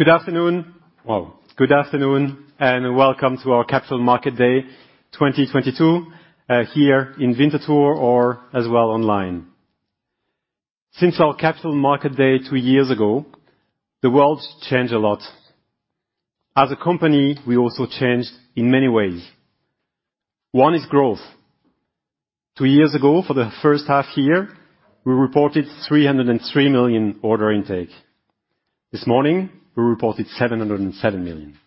Good afternoon. Well, good afternoon, and welcome to our Capital Market Day 2022, here in Winterthur or as well online. Since our Capital Market Day 2 years ago, the world's changed a lot. As a company, we also changed in many ways. 1 is growth. 2 years ago, for the H1 year, we reported 303 million order intake. This morning, we reported 707 million.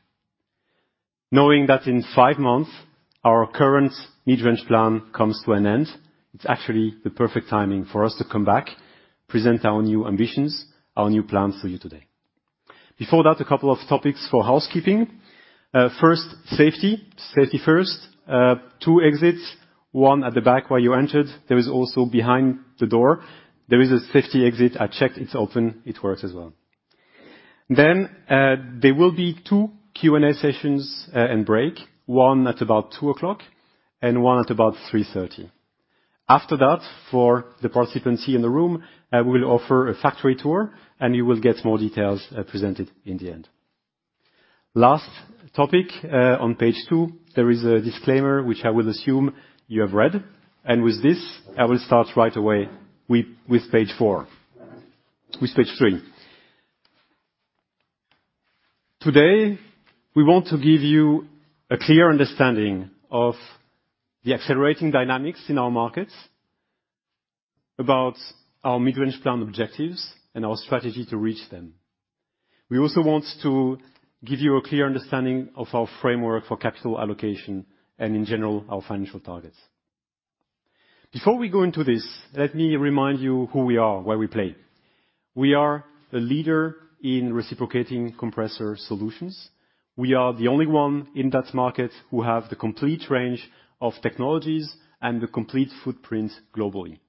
Knowing that in 5 months our current mid-term plan comes to an end, it's actually the perfect timing for us to come back, present our new ambitions, our new plans for you today. Before that, a couple of topics for housekeeping. First, safety. Safety first. 2 exits, 1 at the back where you entered. There is also behind the door, there is a safety exit. I checked, it's open. It works as well. There will be 2 Q&A sessions and break, 1 at about 2:00 and 1 at about 3:30. After that, for the participants here in the room, I will offer a factory tour, and you will get more details presented in the end. Last topic on page 2, there is a disclaimer which I will assume you have read, and with this, I will start right away with page 3. Today, we want to give you a clear understanding of the accelerating dynamics in our markets, about our mid-range plan objectives and our strategy to reach them. We also want to give you a clear understanding of our framework for capital allocation and in general, our financial targets. Before we go into this, let me remind you who we are, where we play. We are a leader in reciprocating compressor solutions. We are the only one in that market who have the complete range of technologies and the complete footprint globally.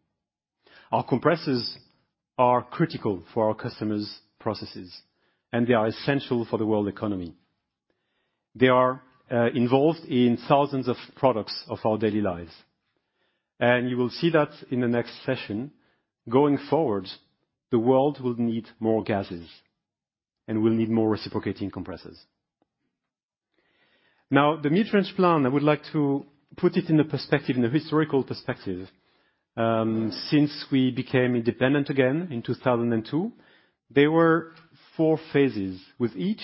Our compressors are critical for our customers' processes, and they are essential for the world economy. They are involved in thousands of products of our daily lives, and you will see that in the next session, going forward, the world will need more gases and will need more reciprocating compressors. Now, the mid-range plan, I would like to put it in a perspective, in a historical perspective. Since we became independent again in 2002, there were 4 phases, with each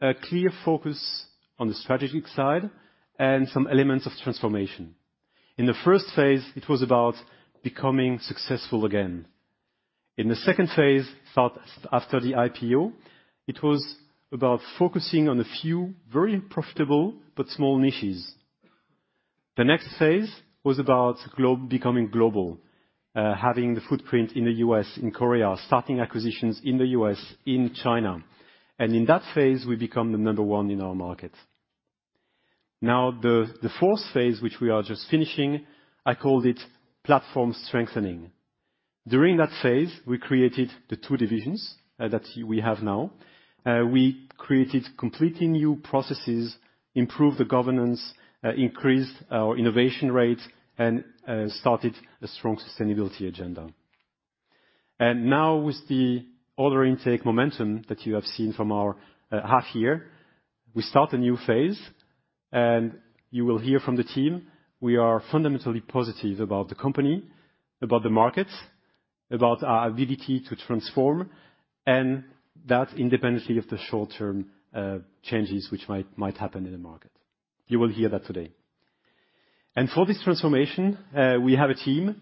a clear focus on the strategic side and some elements of transformation. In the phase I, it was about becoming successful again. In the phase II, after the IPO, it was about focusing on a few very profitable but small niches. The next phase was about becoming global, having the footprint in the US, in Korea, starting acquisitions in the US, in China. In that phase, we become the number 1 in our market. Now, the phase IV, which we are just finishing, I called it platform strengthening. During that phase, we created the 2 divisions that we have now. We created completely new processes, improved the governance, increased our innovation rate, and started a strong sustainability agenda. Now with the order intake momentum that you have seen from our half year, we start a new phase and you will hear from the team we are fundamentally positive about the company, about the market, about our ability to transform, and that independently of the short-term changes which might happen in the market. You will hear that today. For this transformation, we have a team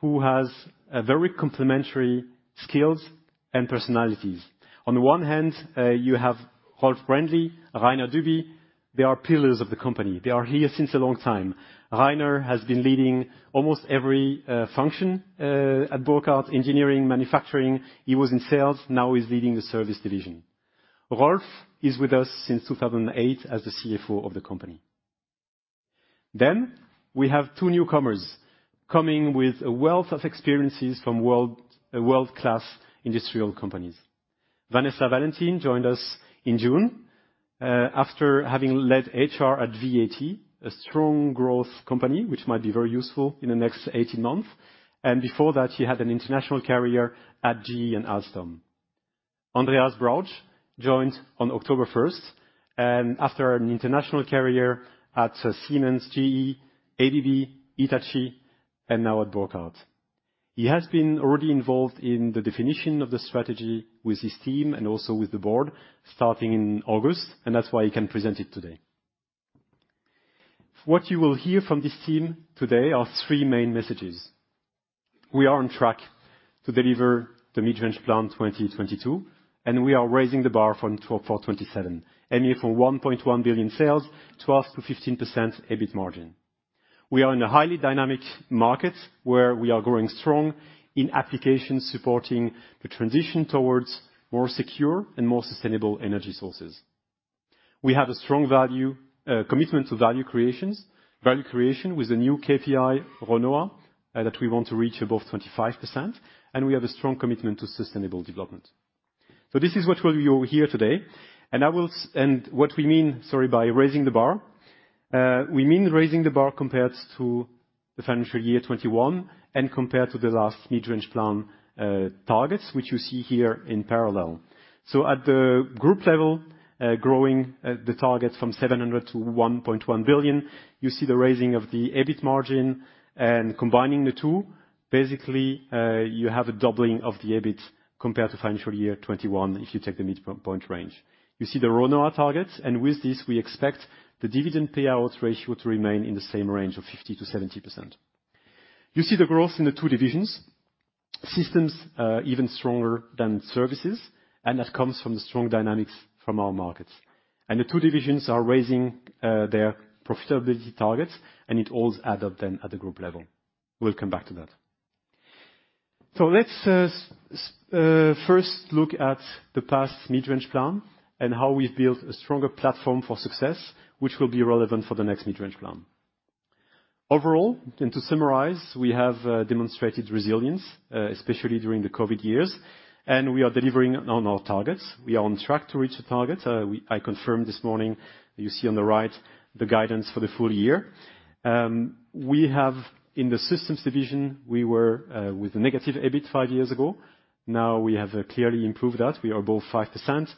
who has a very complementary skills and personalities. On 1 hand, you have Rolf Brändli, Rainer Dübi. They are pillars of the company. They are here since a long time. Rainer has been leading almost every function at Burckhardt Engineering. He was in sales, now he's leading the service division. Rolf is with us since 2008 as the CFO of the company. We have 2 newcomers coming with a wealth of experiences from world-class industrial companies. Vanessa Valentin joined us in June, after having led HR at VAT, a strong growth company which might be very useful in the next 18 months. Before that, she had an international career at GE and Alstom. Andreas Brautsch joined on October 1st, and after an international career at Siemens, GE, ABB, Hitachi and now at Burckhardt. He has been already involved in the definition of the strategy with his team and also with the board starting in August, and that's why he can present it today. What you will hear from this team today are 3 main messages. We are on track to deliver the mid-range plan 2022, and we are raising the bar for 2024 to 2027, aiming for 1.1 billion sales, 12% to 15% EBIT margin. We are in a highly dynamic market where we are growing strong in applications supporting the transition towards more secure and more sustainable energy sources. We have a strong value commitment to value creation with a new KPI, RONOA, that we want to reach above 25%, and we have a strong commitment to sustainable development. This is what we'll hear today, and what we mean, sorry, by raising the bar, we mean raising the bar compared to the financial year 2021 and compared to the last mid-range plan targets, which you see here in parallel. At the group level, growing the target from 700 to 1.1 billion, you see the raising of the EBIT margin and combining the 2, basically, you have a doubling of the EBIT compared to financial year 2021, if you take the midpoint range. You see the RONOA targets, and with this, we expect the dividend payout ratio to remain in the same range of 50% to 70%. You see the growth in the 2 divisions, systems, even stronger than services, and that comes from the strong dynamics from our markets. The 2 divisions are raising their profitability targets and it all adds up then at the group level. We'll come back to that. Let's first look at the past mid-term plan and how we've built a stronger platform for success, which will be relevant for the next mid-term plan. Overall, to summarize, we have demonstrated resilience, especially during the COVID years, and we are delivering on our targets. We are on track to reach the target. I confirmed this morning, you see on the right, the guidance for the full year. We have in the Systems Division, we were with a negative EBIT 5 years ago. Now we have clearly improved that. We are above 5%.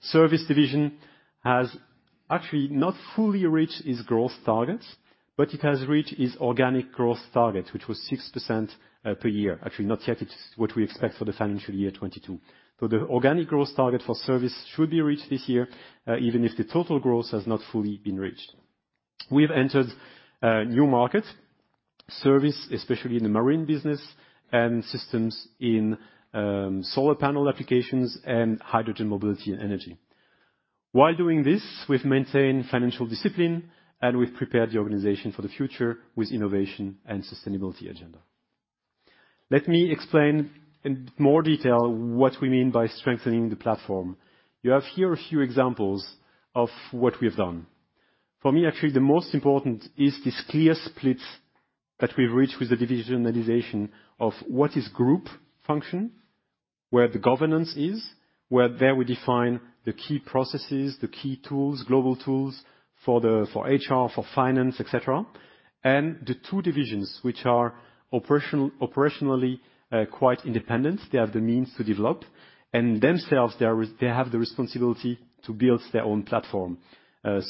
Service Division has actually not fully reached its growth targets, but it has reached its organic growth target, which was 6% per year. Actually, not yet. It's what we expect for the financial year 2022. The organic growth target for service should be reached this year, even if the total growth has not fully been reached. We have entered a new market, service, especially in the marine business and systems in solar panel applications and hydrogen mobility and energy. While doing this, we've maintained financial discipline, and we've prepared the organization for the future with innovation and sustainability agenda. Let me explain in more detail what we mean by strengthening the platform. You have here a few examples of what we have done. For me, actually, the most important is this clear split that we've reached with the divisionalization of what is group function, where the governance is, where there we define the key processes, the key tools, global tools for the, for HR, for finance, et cetera. The 2 divisions, which are operationally quite independent. They have the means to develop. Themselves, they have the responsibility to build their own platform.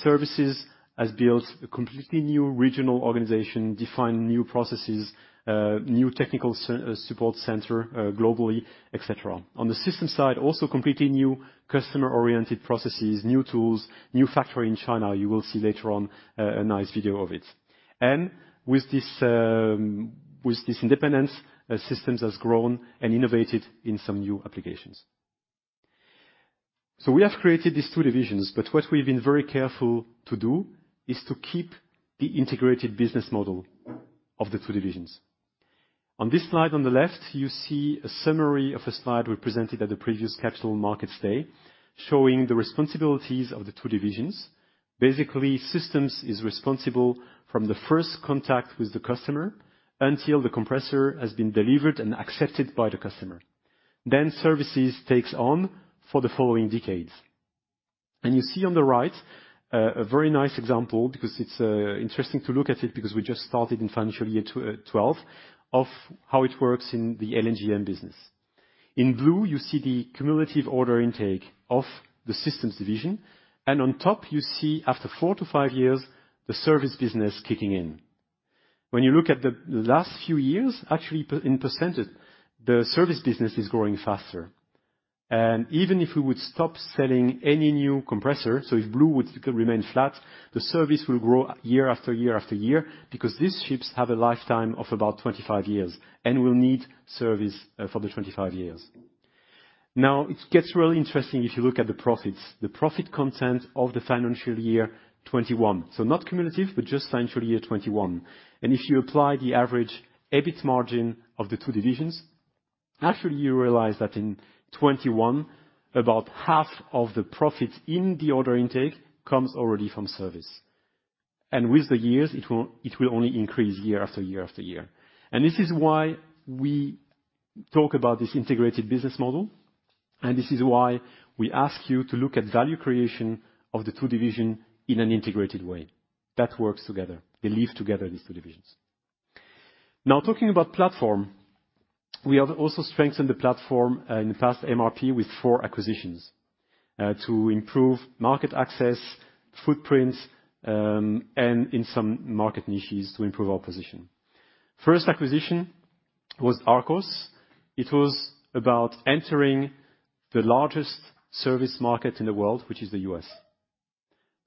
Services has built a completely new regional organization, defined new processes, new technical support center, globally, et cetera. On the Systems side, also completely new customer-oriented processes, new tools, new factory in China. You will see later on a nice video of it. With this independence, Systems has grown and innovated in some new applications. We have created these 2 divisions, but what we've been very careful to do is to keep the integrated business model of the 2 divisions. On this slide on the left, you see a summary of a slide we presented at the previous Capital Markets Day, showing the responsibilities of the 2 divisions. Basically, Systems is responsible from the first contact with the customer until the compressor has been delivered and accepted by the customer. Services takes on for the following decades. You see on the right a very nice example because it's interesting to look at it because we just started in financial year 2012 of how it works in the LNGM business. In blue, you see the cumulative order intake of the Systems Division, and on top you see after 4-5 years, the service business kicking in. When you look at the last few years, actually in percentage, the service business is growing faster. Even if we would stop selling any new compressor, so if blue would remain flat, the service will grow year after year after year because these ships have a lifetime of about 25 years and will need service for the 25 years. Now it gets really interesting if you look at the profits, the profit content of the financial year 2021. Not cumulative, but just financial year 2021. If you apply the average EBIT margin of the 2 divisions, actually you realize that in 2021, about half of the profits in the order intake comes already from service. With the years it will only increase year after year after year. This is why we talk about this integrated business model, and this is why we ask you to look at value creation of the 2 division in an integrated way. That works together. They live together, these 2 divisions. Now talking about platform, we have also strengthened the platform in the past year with 4 acquisitions to improve market access, footprints, and in some market niches to improve our position. First acquisition was Arkos. It was about entering the largest service market in the world, which is the US.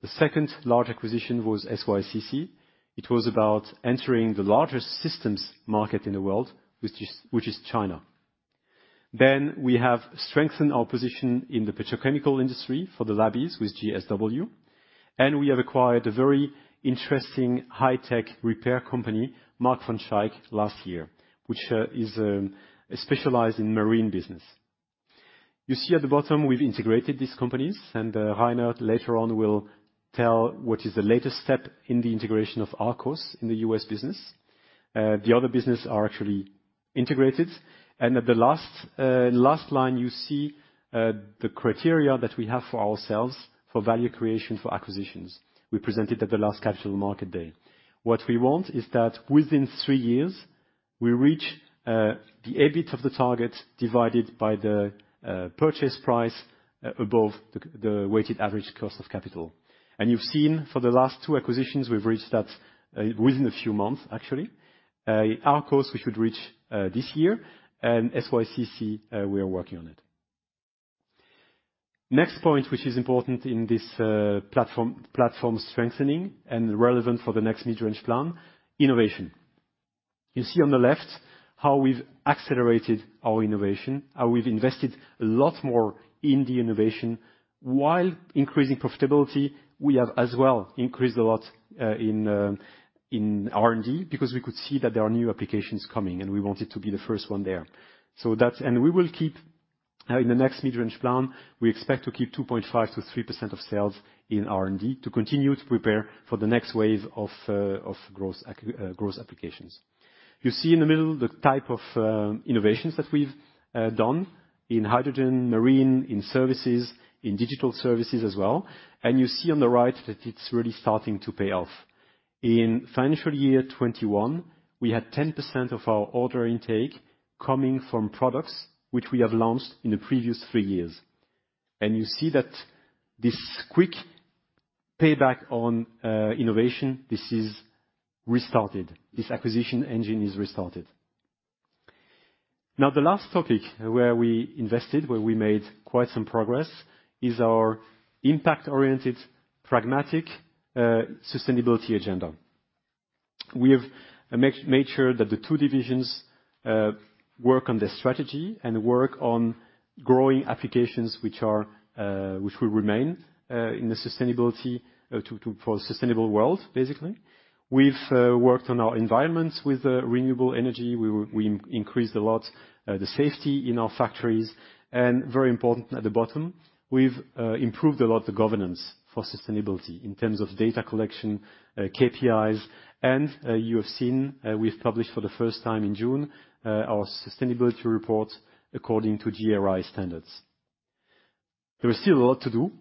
The second large acquisition was Shenyang Yuanda Compressor. It was about entering the largest systems market in the world, which is China. Then we have strengthened our position in the petrochemical industry for the Laby with JSW. We have acquired a very interesting high-tech repair company, Mark van Schaick, last year, which is specialized in marine business. You see at the bottom, we've integrated these companies, and Rainer Dübi later on will tell what is the latest step in the integration of Arkos in the US business. The other business are actually integrated. At the last line, you see the criteria that we have for ourselves for value creation for acquisitions we presented at the last Capital Market Day. What we want is that within 3 years, we reach the EBIT of the target, divided by the purchase price above the weighted average cost of capital. You've seen for the last 2 acquisitions, we've reached that within a few months, actually. Arkos we should reach this year, and Shenyang Yuanda Compressor, we are working on it. Next point, which is important in this platform strengthening and relevant for the next mid-range plan: innovation. You see on the left how we've accelerated our innovation, how we've invested a lot more in the innovation. While increasing profitability, we have as well increased a lot in R&D because we could see that there are new applications coming, and we wanted to be the first one there. We will keep in the next mid-range plan, we expect to keep 2.5% to 3% of sales in R&D to continue to prepare for the next wave of growth applications. You see in the middle, the type of innovations that we've done in hydrogen, marine, in services, in digital services as well. You see on the right that it's really starting to pay off. In financial year 2021, we had 10% of our order intake coming from products which we have launched in the previous 3 years. You see that this quick payback on innovation, this is restarted. This acquisition engine is restarted. Now, the last topic where we invested, where we made quite some progress, is our impact-oriented, pragmatic sustainability agenda. We have made sure that the 2 divisions work on their strategy and work on growing applications which will remain in the sustainability for sustainable world, basically. We've worked on our environments with renewable energy. We increased a lot the safety in our factories, and very important at the bottom, we've improved a lot the governance for sustainability in terms of data collection, KPIs. You have seen we've published for the first time in June our sustainability report according to GRI standards. There is still a lot to do,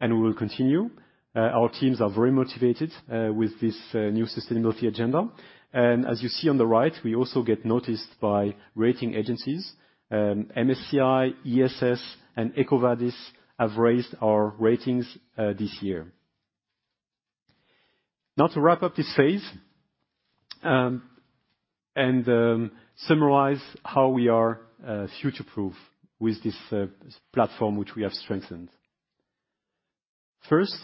and we will continue. Our teams are very motivated with this new sustainability agenda. As you see on the right, we also get noticed by rating agencies. MSCI, ISS ESG, and EcoVadis have raised our ratings this year. Now to wrap up this phase, and summarize how we are future-proof with this platform which we have strengthened. First,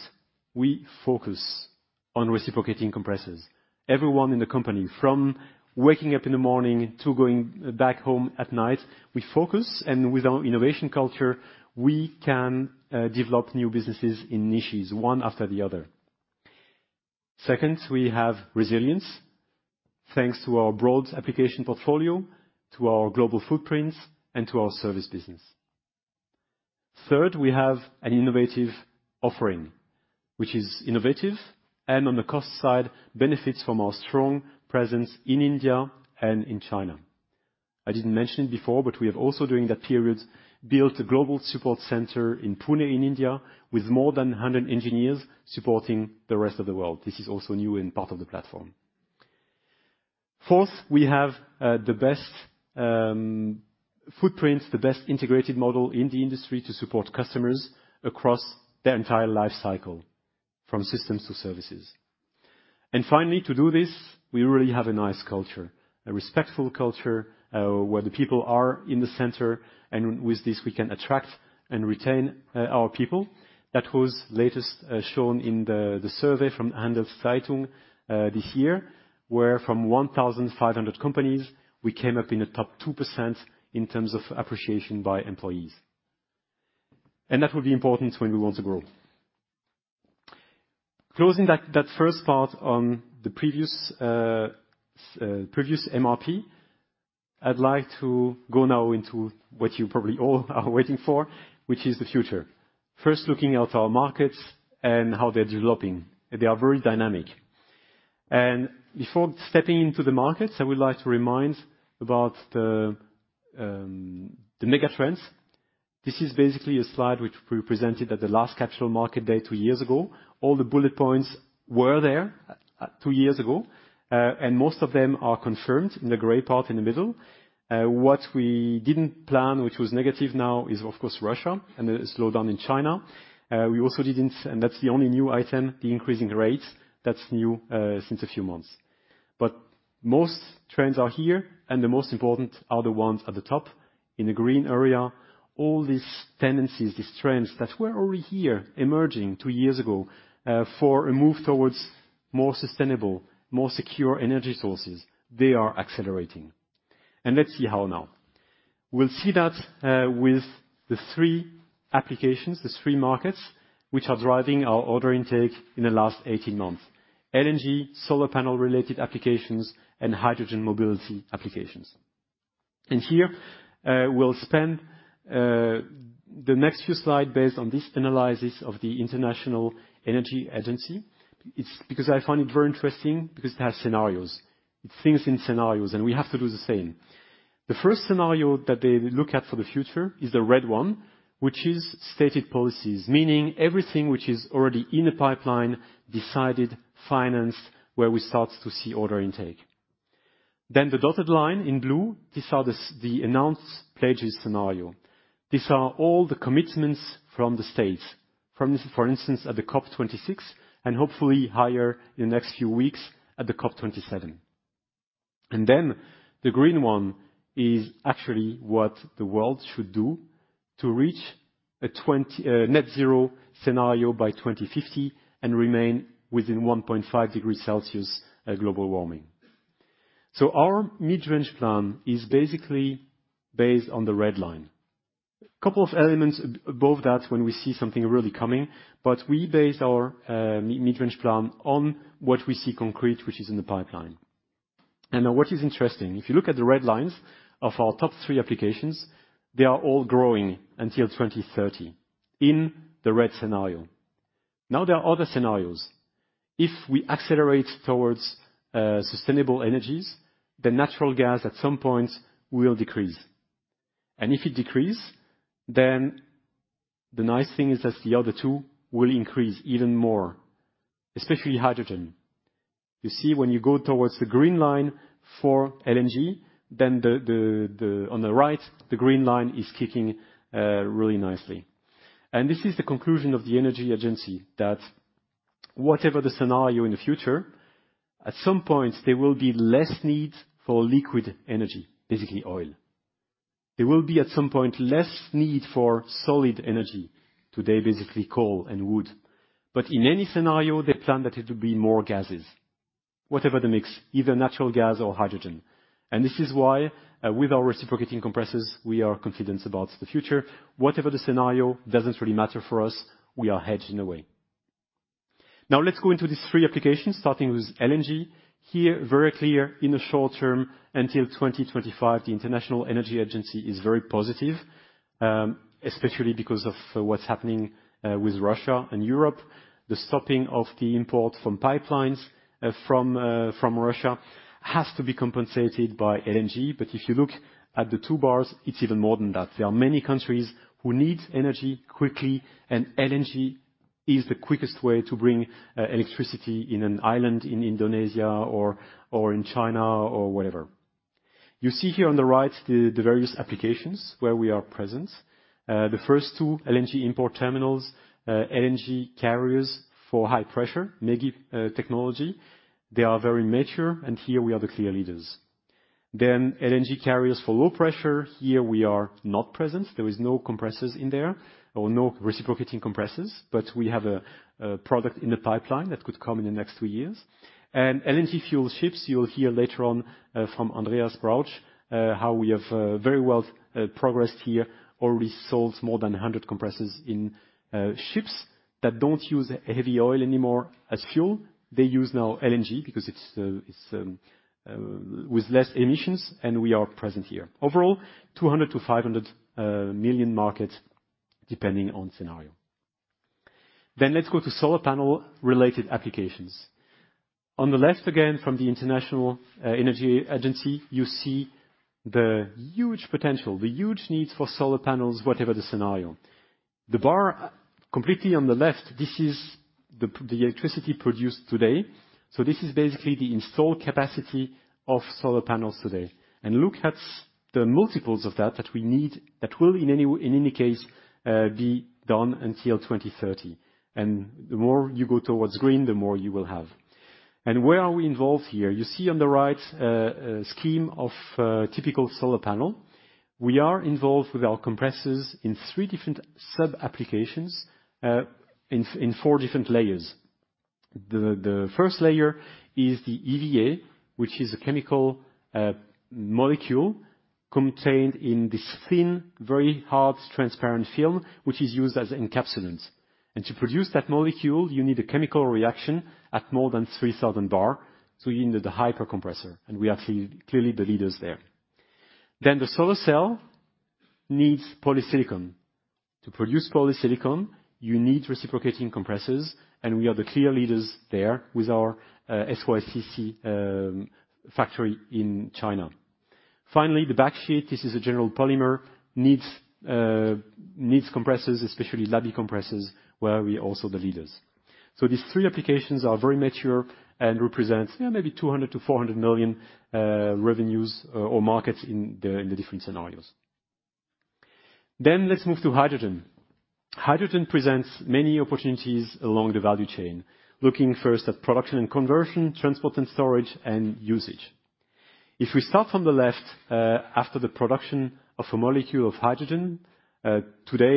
we focus on reciprocating compressors. Everyone in the company, from waking up in the morning to going back home at night, we focus, and with our innovation culture, we can develop new businesses in niches, 1 after the other. Second, we have resilience thanks to our broad application portfolio, to our global footprints, and to our service business. Third, we have an innovative offering, which is innovative and on the cost side, benefits from our strong presence in India and in China. I didn't mention it before, but we have also, during that period, built a global support center in Pune, in India, with more than 100 engineers supporting the rest of the world. This is also new and part of the platform. Fourth, we have the best footprints, the best integrated model in the industry to support customers across their entire life cycle, from systems to services. Finally, to do this, we really have a nice culture, a respectful culture, where the people are in the center, and with this, we can attract and retain our people. That was latest shown in the survey from Handelszeitung this year, where from 1,500 companies, we came up in the top 2% in terms of appreciation by employees. That will be important when we want to grow. Closing that first part on the previous MRP, I'd like to go now into what you probably all are waiting for, which is the future. First, looking at our markets and how they're developing. They are very dynamic. Before stepping into the markets, I would like to remind about the mega trends. This is basically a slide which we presented at the last Capital Market Day 2 years ago. All the bullet points were there 2 years ago, and most of them are confirmed in the gray part in the middle. What we didn't plan, which was negative now, is of course Russia and the slowdown in China. That's the only new item, the increasing rates. That's new, since a few months. Most trends are here, and the most important are the ones at the top in the green area. All these tendencies, these trends that were already here emerging 2 years ago, for a move towards more sustainable, more secure energy sources, they are accelerating. Let's see how now. We'll see that, with the 3 applications, the 3 markets which are driving our order intake in the last 18 months, LNG, solar panel related applications, and hydrogen mobility applications. Here, we'll spend the next few slides based on this analysis of the International Energy Agency. It's because I find it very interesting because it has scenarios. It thinks in scenarios, and we have to do the same. The first scenario that they look at for the future is the red one, which is stated policies, meaning everything which is already in the pipeline, decided, financed, where we start to see order intake. The dotted line in blue, these are the announced pledges scenario. These are all the commitments from the states. From this, for instance, at the COP26 and hopefully higher in the next few weeks at the COP27. The green one is actually what the world should do to reach a net zero scenario by 2050 and remain within 1.5 degrees Celsius global warming. Our mid-range plan is basically based on the red line. Couple of elements above that when we see something really coming, but we base our midrange plan on what we see concrete, which is in the pipeline. Now what is interesting, if you look at the red lines of our top 3 applications, they are all growing until 2030 in the red scenario. Now, there are other scenarios. If we accelerate towards sustainable energies, the natural gas at some point will decrease. If it decrease, then the nice thing is that the other 2 will increase even more, especially hydrogen. You see when you go towards the green line for LNG, then on the right, the green line is kicking really nicely. This is the conclusion of the International Energy Agency that whatever the scenario in the future, at some point, there will be less need for liquid energy, basically oil. There will be at some point less need for solid energy, today, basically coal and wood. In any scenario, they plan that it will be more gases, whatever the mix, either natural gas or hydrogen. This is why with our reciprocating compressors, we are confident about the future. Whatever the scenario doesn't really matter for us, we are hedged in a way. Now let's go into these 3 applications, starting with LNG. Here, very clear in the short term, until 2025, the International Energy Agency is very positive, especially because of what's happening with Russia and Europe. The stopping of the import from pipelines from Russia has to be compensated by LNG. If you look at the 2 bars, it's even more than that. There are many countries who need energy quickly, and LNG is the quickest way to bring electricity in an island in Indonesia or in China or wherever. You see here on the right the various applications where we are present. The first 2 LNG import terminals, LNG carriers for high pressure ME-GI technology. They are very mature, and here we are the clear leaders. Then LNG carriers for low pressure, here we are not present. There is no compressors in there, or no reciprocating compressors, but we have a product in the pipeline that could come in the next 2 years. LNG fuel ships, you'll hear later on from Andreas Brautsch how we have very well progressed here, already sold more than 100 compressors in ships that don't use heavy oil anymore as fuel. They use now LNG because it's with less emissions, and we are present here. Overall, 200-500 million market depending on scenario. Let's go to solar panel related applications. On the left, again, from the International Energy Agency, you see the huge potential, the huge needs for solar panels, whatever the scenario. The bar completely on the left, this is the electricity produced today. This is basically the installed capacity of solar panels today. Look at the multiples of that that we need, that will in any case be done until 2030. The more you go towards green, the more you will have. Where are we involved here? You see on the right a scheme of a typical solar panel. We are involved with our compressors in 3 different sub-applications in 4 different layers. The first layer is the EVA, which is a chemical molecule contained in this thin, very hard, transparent film, which is used as encapsulants. To produce that molecule, you need a chemical reaction at more than 3,000 bar. You need the hyper compressor, and we are clearly the leaders there. The solar cell needs polysilicon. To produce polysilicon, you need reciprocating compressors, and we are the clear leaders there with our SYCC factory in China. Finally, the backsheet, this is a general polymer, needs compressors, especially Laby compressors, where we are also the leaders. These 3 applications are very mature and represent maybe 200-400 million revenues or markets in the different scenarios. Let's move to hydrogen. Hydrogen presents many opportunities along the value chain, looking first at production and conversion, transport and storage, and usage. If we start from the left, after the production of a molecule of hydrogen, today,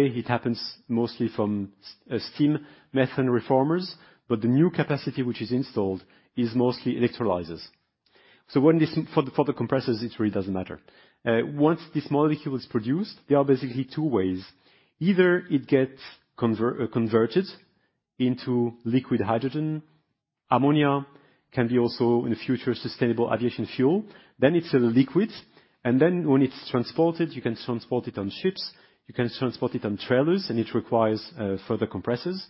it happens mostly from steam methane reformers, but the new capacity which is installed is mostly electrolyzers. For the compressors, it really doesn't matter. Once this molecule is produced, there are basically 2 ways. Either it gets converted into liquid hydrogen. Ammonia can be also in the future, sustainable aviation fuel. Then it's a liquid, and then when it's transported, you can transport it on ships, you can transport it on trailers, and it requires further compressors.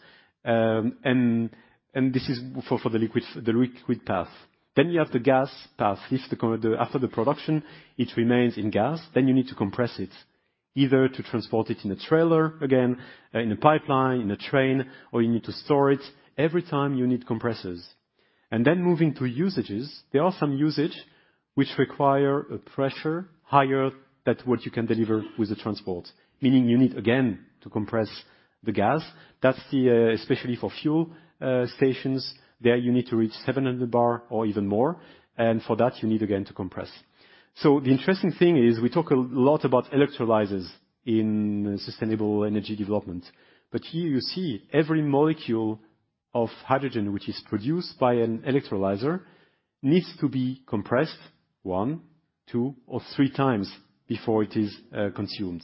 This is for the liquid path. Then you have the gas path. This, the H2 after the production, it remains as gas. Then you need to compress it, either to transport it in a trailer again, in a pipeline, in a train, or you need to store it. Every time you need compressors. Moving to uses. There are some uses which require a pressure higher than what you can deliver with the transport, meaning you need again to compress the gas. That's the especially for fuel stations, there you need to reach 700 bar or even more. For that, you need again to compress. The interesting thing is we talk a lot about electrolyzers in sustainable energy development, but here you see every molecule of hydrogen which is produced by an electrolyzer needs to be compressed 1, 2, or 3x before it is consumed.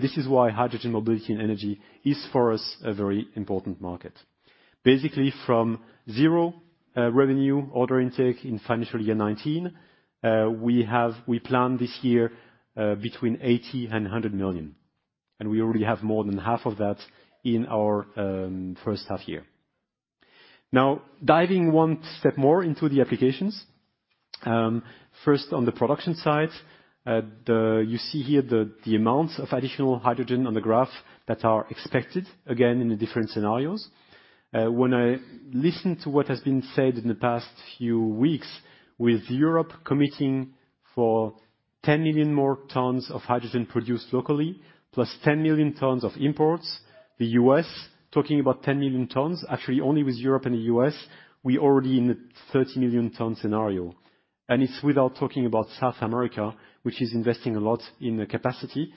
This is why Hydrogen Mobility & Energy is, for us, a very important market. Basically, from 0 revenue order intake in financial year 2019, we plan this year between 80 million and 100 million, and we already have more than half of that in our H1 year. Now, diving 1 step more into the applications. First, on the production side, you see here the amounts of additional hydrogen on the graph that are expected, again, in the different scenarios. When I listen to what has been said in the past few weeks with Europe committing for 10 million more tons of hydrogen produced locally +10 million tons of imports, the US talking about 10 million tons. Actually, only with Europe and the US, we're already in the 30 million ton scenario, and it's without talking about South America, which is investing a lot in the capacity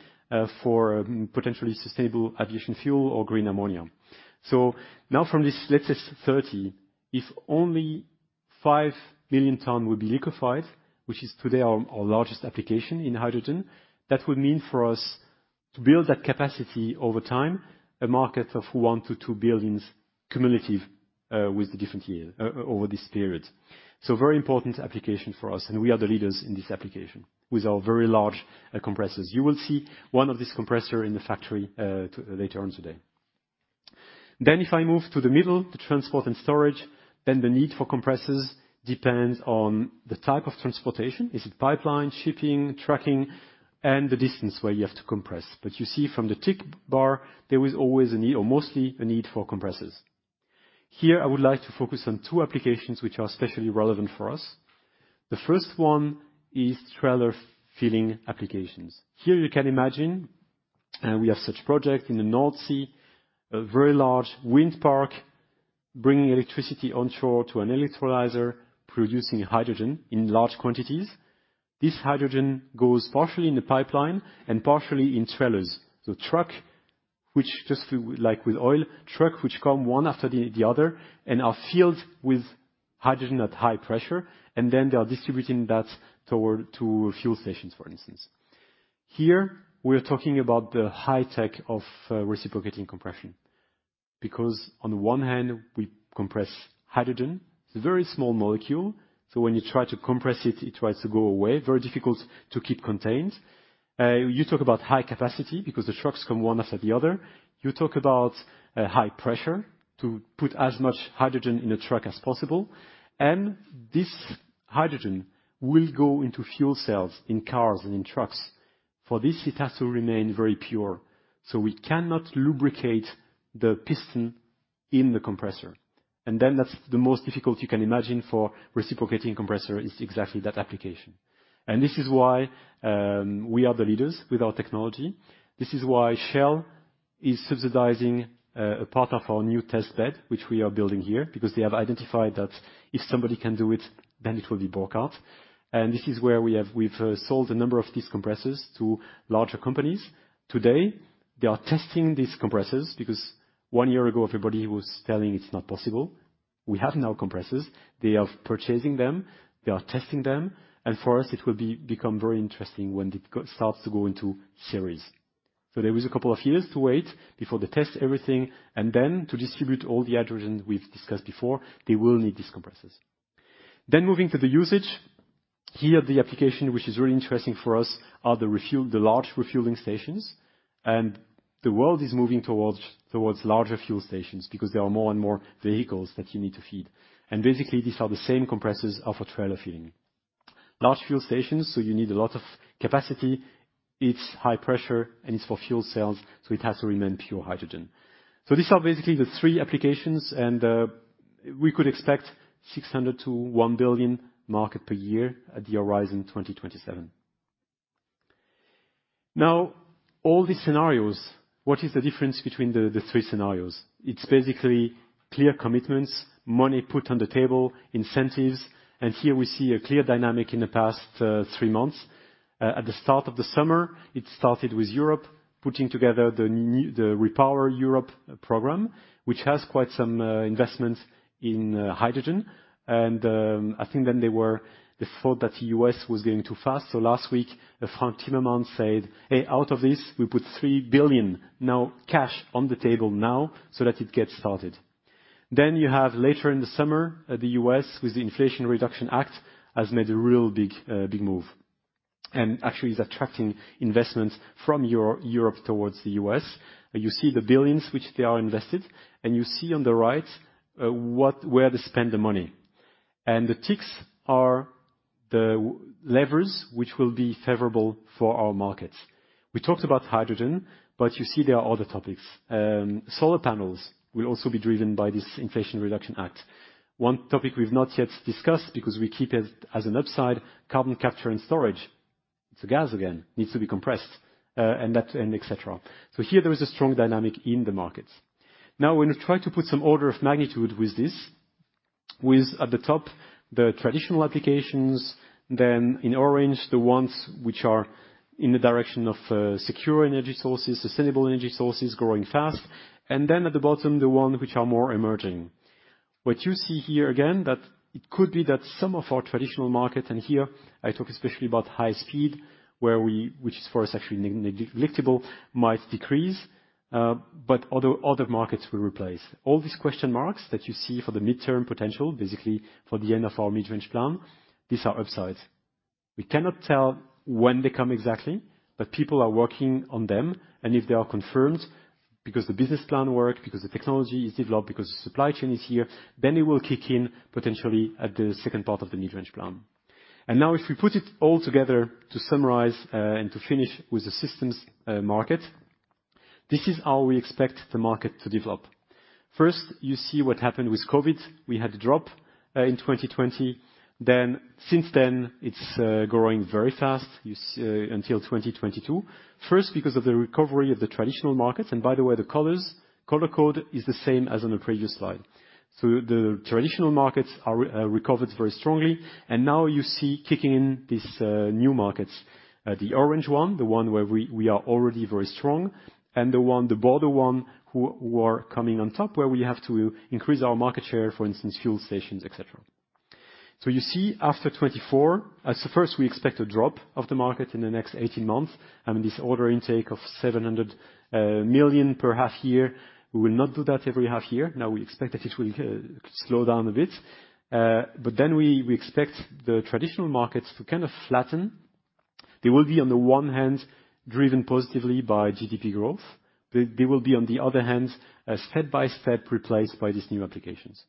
for potentially sustainable aviation fuel or green ammonia. Now from this, let's say 30. If only 5 million ton will be liquefied, which is today our largest application in hydrogen, that would mean for us to build that capacity over time, a market of 1-2 billion cumulative with the different year over this period. Very important application for us, and we are the leaders in this application with our very large compressors. You will see one of these compressors in the factory later on today. If I move to the middle, the transport and storage, then the need for compressors depends on the type of transportation. Is it pipeline, shipping, trucking, and the distance where you have to compress. You see from the tick bar, there is always a need or mostly a need for compressors. Here, I would like to focus on 2 applications which are especially relevant for us. The first one is trailer filling applications. Here you can imagine, and we have such project in the North Sea, a very large wind park bringing electricity onshore to an electrolyzer, producing hydrogen in large quantities. This hydrogen goes partially in the pipeline and partially in trailers. The trucks, which just like with oil, come 1 after the other and are filled with hydrogen at high pressure, and then they are distributing that towards fuel stations, for instance. Here, we are talking about the high tech of reciprocating compression because on the 1 hand, we compress hydrogen. It's a very small molecule, so when you try to compress it tries to go away. Very difficult to keep contained. You talk about high capacity because the trucks come one after the other. You talk about high pressure to put as much hydrogen in a truck as possible, and this hydrogen will go into fuel cells in cars and in trucks. For this, it has to remain very pure, so we cannot lubricate the piston in the compressor. Then that's the most difficult you can imagine for reciprocating compressor is exactly that application. This is why we are the leaders with our technology. This is why Shell is subsidizing a part of our new test bed, which we are building here, because they have identified that if somebody can do it, then it will be Burckhardt. This is where we have sold a number of these compressors to larger companies. Today, they are testing these compressors because 1 year ago, everybody was telling it's not possible. We have now compressors. They are purchasing them. They are testing them. For us, it will become very interesting when it starts to go into series. There is a couple of years to wait before they test everything, and then to distribute all the hydrogens we've discussed before, they will need these compressors. Moving to the usage. Here, the application which is really interesting for us are the large refueling stations. The world is moving towards larger fuel stations because there are more and more vehicles that you need to feed. Basically, these are the same compressors of a trailer filling. Large fuel stations, so you need a lot of capacity. It's high pressure, and it's for fuel cells, so it has to remain pure hydrogen. These are basically the 3 applications and we could expect 600 million-1 billion market per year at the horizon 2027. All these scenarios, what is the difference between the 3 scenarios? It's basically clear commitments, money put on the table, incentives. Here we see a clear dynamic in the past 3 months. At the start of the summer, it started with Europe putting together the REPowerEU, which has quite some investments in hydrogen. I think then they thought that U.S. was going too fast. Last week, Frans Timmermans said, "Hey, out of this, we put 3 billion now cash on the table now so that it gets started." You have later in the summer, the US with the Inflation Reduction Act has made a real big, big move, and actually is attracting investments from Europe towards the US. You see the $ billions which they are invested, and you see on the right, where they spend the money. The ticks are the levers which will be favorable for our markets. We talked about hydrogen, but you see there are other topics. Solar panels will also be driven by this Inflation Reduction Act. 1 topic we've not yet discussed because we keep it as an upside, carbon capture and storage. It's a gas, again, needs to be compressed, and that, and et cetera. Here there is a strong dynamic in the markets. Now when we try to put some order of magnitude with this, with at the top, the traditional applications, then in orange, the ones which are in the direction of, secure energy sources, sustainable energy sources growing fast, and then at the bottom, the ones which are more emerging. What you see here again, that it could be that some of our traditional market, and here I talk especially about high speed, where which is for us actually negligible, might decrease, but other markets will replace. All these question marks that you see for the midterm potential, basically for the end of our mid-range plan, these are upsides. We cannot tell when they come exactly, but people are working on them. If they are confirmed because the business plan worked, because the technology is developed, because the supply chain is here, then it will kick in potentially at the second part of the mid-range plan. Now if we put it all together to summarize, and to finish with the systems market, this is how we expect the market to develop. First, you see what happened with COVID. We had a drop in 2020. Since then, it's growing very fast, you see, until 2022. First, because of the recovery of the traditional markets, and by the way, the colors, color code is the same as on the previous slide. The traditional markets are recovered very strongly, and now you see kicking in these new markets. The orange one, the one where we are already very strong, and the one, the bolder one, who are coming on top where we have to increase our market share, for instance, fuel stations, et cetera. You see after 2024, at first we expect a drop of the market in the next 18 months. I mean, this order intake of 700 million per half year. We will not do that every half year. Now we expect that it will slow down a bit. Then we expect the traditional markets to kind of flatten. They will be, on the one hand, driven positively by GDP growth. They will be, on the other hand, step-by-step replaced by these new applications.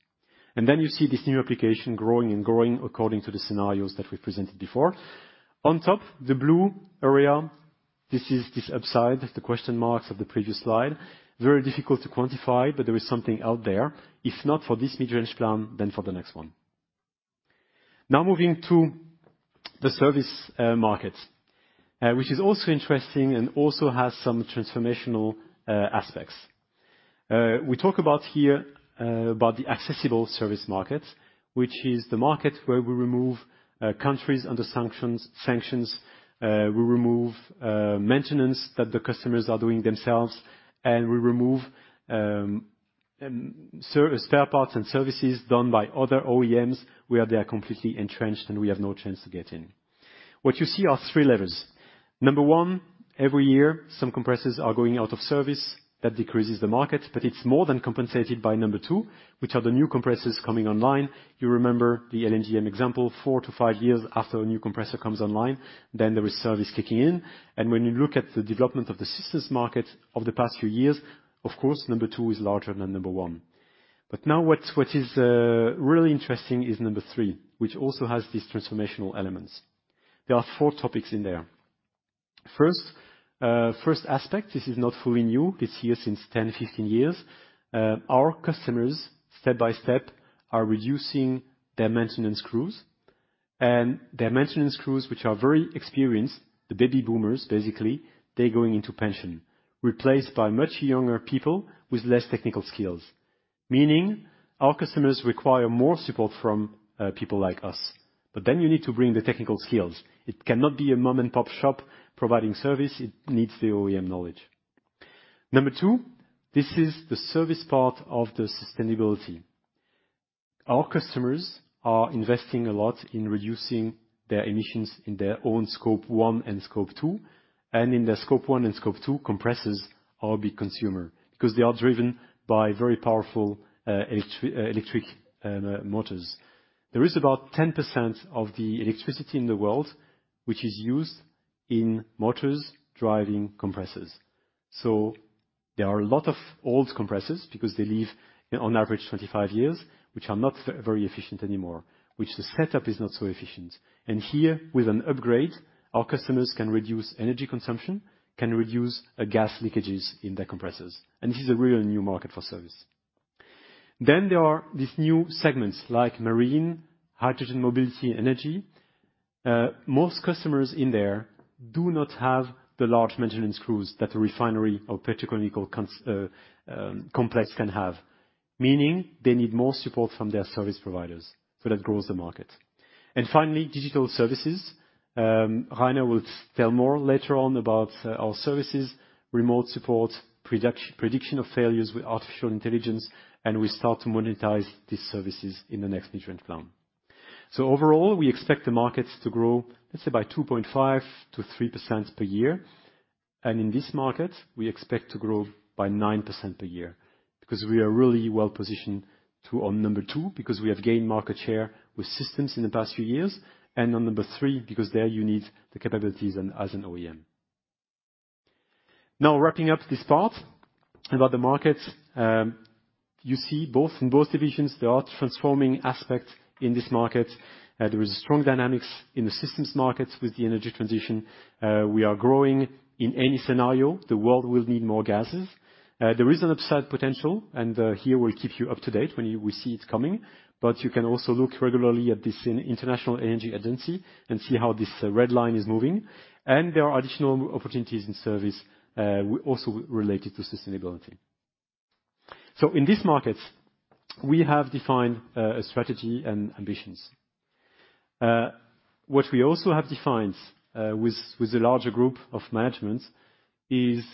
Then you see these new application growing and growing according to the scenarios that we presented before. On top, the blue area, this is this upside, the question marks of the previous slide. Very difficult to quantify, but there is something out there. If not for this mid-range plan, then for the next one. Now moving to the service market, which is also interesting and also has some transformational aspects. We talk about here about the accessible service market, which is the market where we remove countries under sanctions. We remove maintenance that the customers are doing themselves, and we remove spare parts and services done by other OEMs, where they are completely entrenched, and we have no chance to get in. What you see are 3 levels. Number 1, every year, some compressors are going out of service. That decreases the market, but it's more than compensated by number 2, which are the new compressors coming online. You remember the LNGM example, 4-5 years after a new compressor comes online, then there is service kicking in. When you look at the development of the systems market over the past few years, of course, number 2 is larger than number 1. Now what is really interesting is number 3, which also has these transformational elements. There are 4 topics in there. First aspect, this is not fully new. It's here since 10, 15 years. Our customers, step by step, are reducing their maintenance crews. Their maintenance crews, which are very experienced, the baby boomers, basically, they're going into pension, replaced by much younger people with less technical skills, meaning our customers require more support from people like us. You need to bring the technical skills. It cannot be a mom and pop shop providing service. It needs the OEM knowledge. Number 2, this is the service part of the sustainability. Our customers are investing a lot in reducing their emissions in their own Scope 1 and Scope 2, and in their Scope 1 and Scope 2 compressors are a big consumer 'cause they are driven by very powerful electric motors. There is about 10% of the electricity in the world which is used in motors driving compressors. There are a lot of old compressors because they live on average 25 years, which are not very efficient anymore, which the setup is not so efficient. Here, with an upgrade, our customers can reduce energy consumption, can reduce gas leakages in their compressors. This is a real new market for service. There are these new segments like marine, hydrogen mobility, energy. Most customers in there do not have the large maintenance crews that a refinery or petrochemical complex can have. Meaning, they need more support from their service providers, so that grows the market. Finally, digital services. Rainer Dübi will tell more later on about our services, remote support, prediction of failures with artificial intelligence, and we start to monetize these services in the next mid-term plan. Overall, we expect the markets to grow, let's say by 2.5% to 3% per year. In this market, we expect to grow by 9% a year, because we are really well-positioned too. On number 2, because we have gained market share with systems in the past few years, and on number 3, because there you need the capabilities and as an OEM. Now wrapping up this part about the market, you see, in both divisions, there are transforming aspects in this market. There is strong dynamics in the systems markets with the energy transition. We are growing. In any scenario, the world will need more gases. There is an upside potential, and here we'll keep you up to date when we see it coming. You can also look regularly at this in International Energy Agency and see how this red line is moving. There are additional opportunities in service also related to sustainability. In this market, we have defined a strategy and ambitions. What we also have defined with the larger group of managements is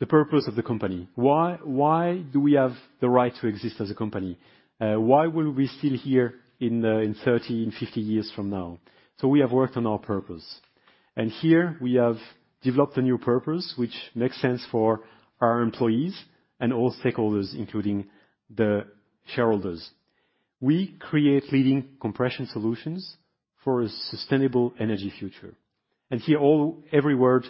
the purpose of the company. Why do we have the right to exist as a company? Why were we still here in 30, 50 years from now? We have worked on our purpose. Here we have developed a new purpose, which makes sense for our employees and all stakeholders, including the shareholders. We create leading compression solutions for a sustainable energy future. Here, every word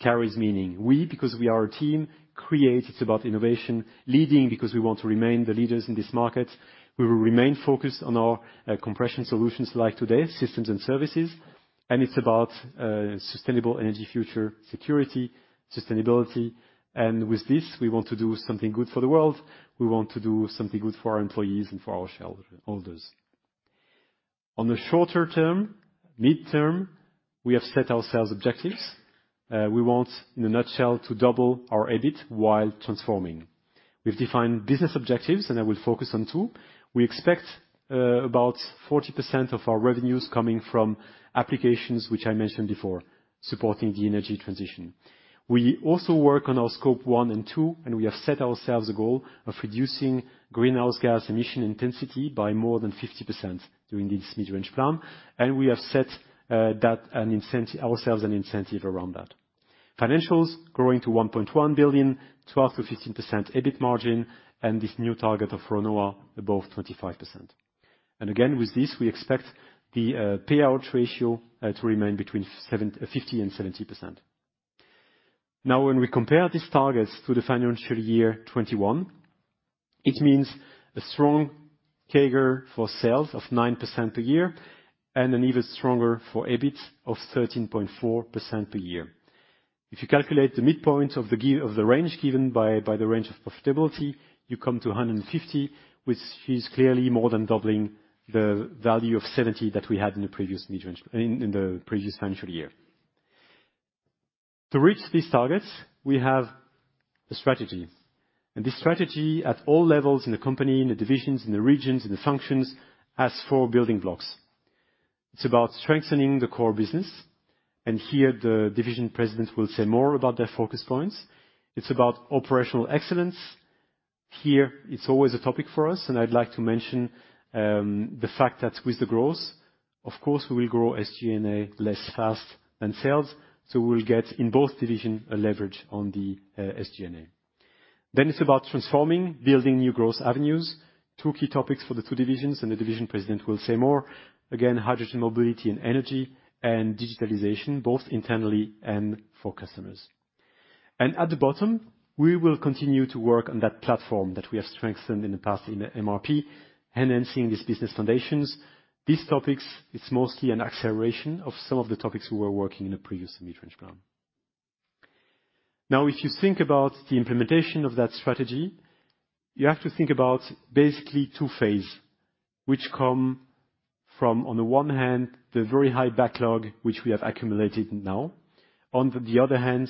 carries meaning. We, because we are a team, create. It's about innovation. Leading, because we want to remain the leaders in this market. We will remain focused on our compression solutions, like today, systems and services. It's about sustainable energy future, security, sustainability. With this, we want to do something good for the world. We want to do something good for our employees and for our shareholders. On the shorter term, midterm, we have set ourselves objectives. We want, in a nutshell, to double our EBIT while transforming. We've defined business objectives, and I will focus on two. We expect about 40% of our revenues coming from applications which I mentioned before, supporting the energy transition. We also work on our Scope 1 and 2, and we have set ourselves a goal of reducing greenhouse gas emission intensity by more than 50% during this mid-range plan. We have set ourselves an incentive around that. Financials growing to 1.1 billion, 12% to 15% EBIT margin, and this new target of ROA above 25%. Again, with this, we expect the payout ratio to remain between 50% and 70%. Now, when we compare these targets to the financial year 2021, it means a strong CAGR for sales of 9% per year and an even stronger for EBIT of 13.4% per year. If you calculate the midpoint of the range given by the range of profitability, you come to 150, which is clearly more than doubling the value of 70 that we had in the previous mid-range in the previous financial year. To reach these targets, we have a strategy. This strategy at all levels in the company, in the divisions, in the regions, in the functions, has 4 building blocks. It's about strengthening the core business. Here, the division president will say more about their focus points. It's about operational excellence. Here, it's always a topic for us, and I'd like to mention the fact that with the growth, of course, we will grow SG&A less fast than sales. We will get in both division a leverage on the SG&A. It's about transforming, building new growth avenues. 2 key topics for the 2 divisions, and the division president will say more. Again, Hydrogen Mobility and Energy and digitalization, both internally and for customers. At the bottom, we will continue to work on that platform that we have strengthened in the past in MRP and enhancing these business foundations. These topics, it's mostly an acceleration of some of the topics we were working in the previous mid-range plan. Now, if you think about the implementation of that strategy, you have to think about basically 2 phase, which come from, on the one hand, the very high backlog which we have accumulated now. On the other hand,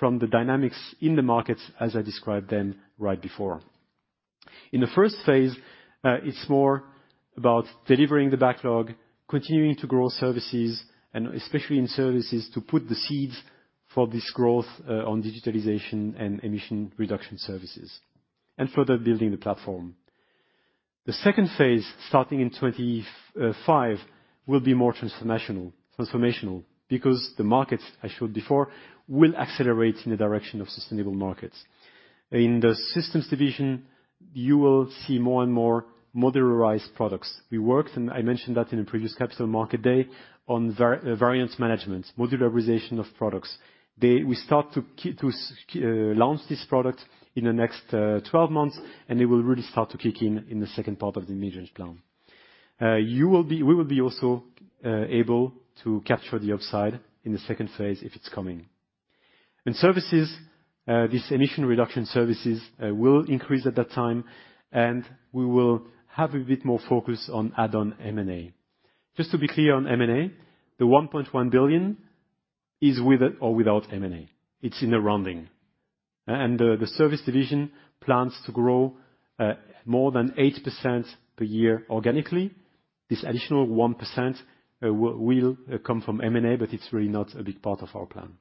from the dynamics in the markets, as I described them right before. In the phase I, it's more about delivering the backlog, continuing to grow services, and especially in services, to put the seeds for this growth on digitalization and emission reduction services, and further building the platform. The phase II, starting in 2025, will be more transformational because the markets I showed before will accelerate in the direction of sustainable markets. In the Systems Division, you will see more and more modularized products. We worked, and I mentioned that in a previous Capital Market Day, on variance management, modularization of products. We start to launch this product in the next 12 months, and it will really start to kick in in the second part of the mid-range plan. We will be also able to capture the upside in the phase II if it's coming. In services, this emission reduction services will increase at that time, and we will have a bit more focus on add-on M&A. Just to be clear on M&A, the 1.1 billion is with or without M&A. It's in the rounding. The service division plans to grow more than 8% per year organically. This additional 1% will come from M&A, but it's really not a big part of our plan.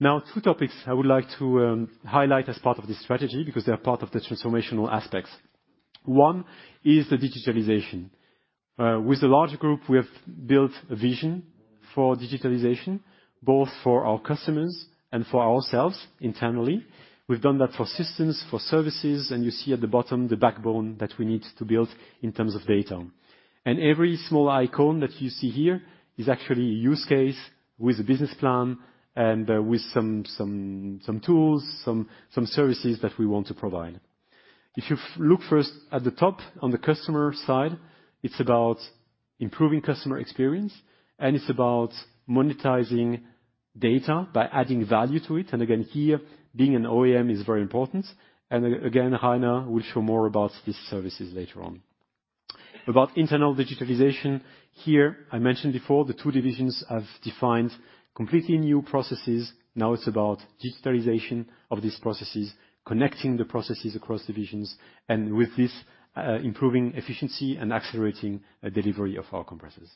Now 2 topics I would like to highlight as part of this strategy because they are part of the transformational aspects. 1 is the digitalization. With the larger group, we have built a vision for digitalization, both for our customers and for ourselves internally. We've done that for systems, for services, and you see at the bottom the backbone that we need to build in terms of data. Every small icon that you see here is actually a use case with a business plan and with some tools, some services that we want to provide. If you look first at the top on the customer side, it's about improving customer experience, and it's about monetizing data by adding value to it. Again, here, being an OEM is very important. Again, Rainer Dübi will show more about these services later on. About internal digitalization here, I mentioned before the 2 divisions have defined completely new processes. Now it's about digitalization of these processes, connecting the processes across divisions, and with this, improving efficiency and accelerating delivery of our compressors.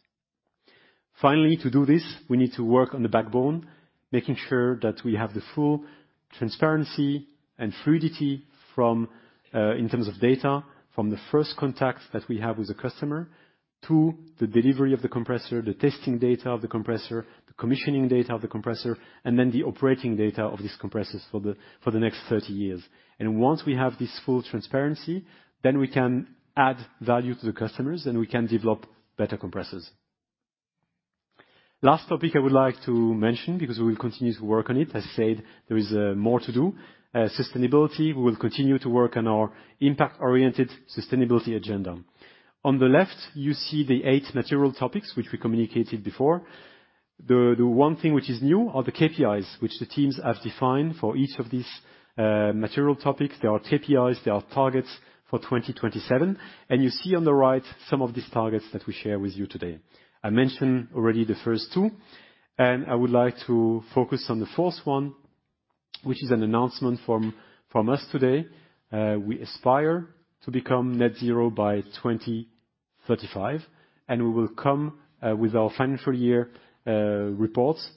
Finally, to do this, we need to work on the backbone, making sure that we have the full transparency and fluidity from, in terms of data, from the first contact that we have with the customer to the delivery of the compressor, the testing data of the compressor, the commissioning data of the compressor, and then the operating data of these compressors for the next 30 years. Once we have this full transparency, then we can add value to the customers and we can develop better compressors. Last topic I would like to mention, because we will continue to work on it, as said, there is more to do. Sustainability, we will continue to work on our impact-oriented sustainability agenda. On the left, you see the 8 material topics which we communicated before. The 1 thing which is new are the KPIs which the teams have defined for each of these material topics. There are KPIs. There are targets for 2027, and you see on the right some of these targets that we share with you today. I mentioned already the first two, and I would like to focus on the fourth one, which is an announcement from us today. We aspire to become Net Zero by 2035, and we will come with our financial year reports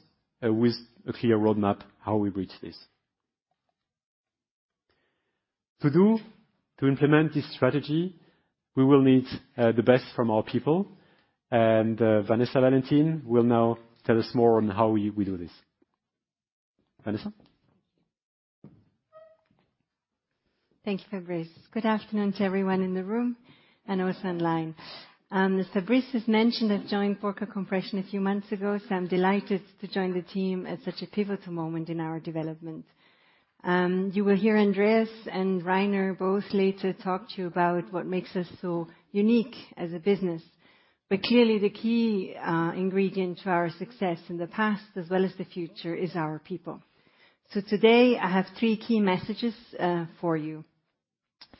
with a clear roadmap how we reach this. To implement this strategy, we will need the best from our people. Vanessa Valentin will now tell us more on how we do this. Vanessa? Thank you, Fabrice. Good afternoon to everyone in the room and also online. As Fabrice has mentioned, I joined Burckhardt Compression a few months ago, so I'm delighted to join the team at such a pivotal moment in our development. You will hear Andreas and Rainer both later talk to you about what makes us so unique as a business. Clearly, the key ingredient to our success in the past as well as the future is our people. Today, I have 3 key messages for you.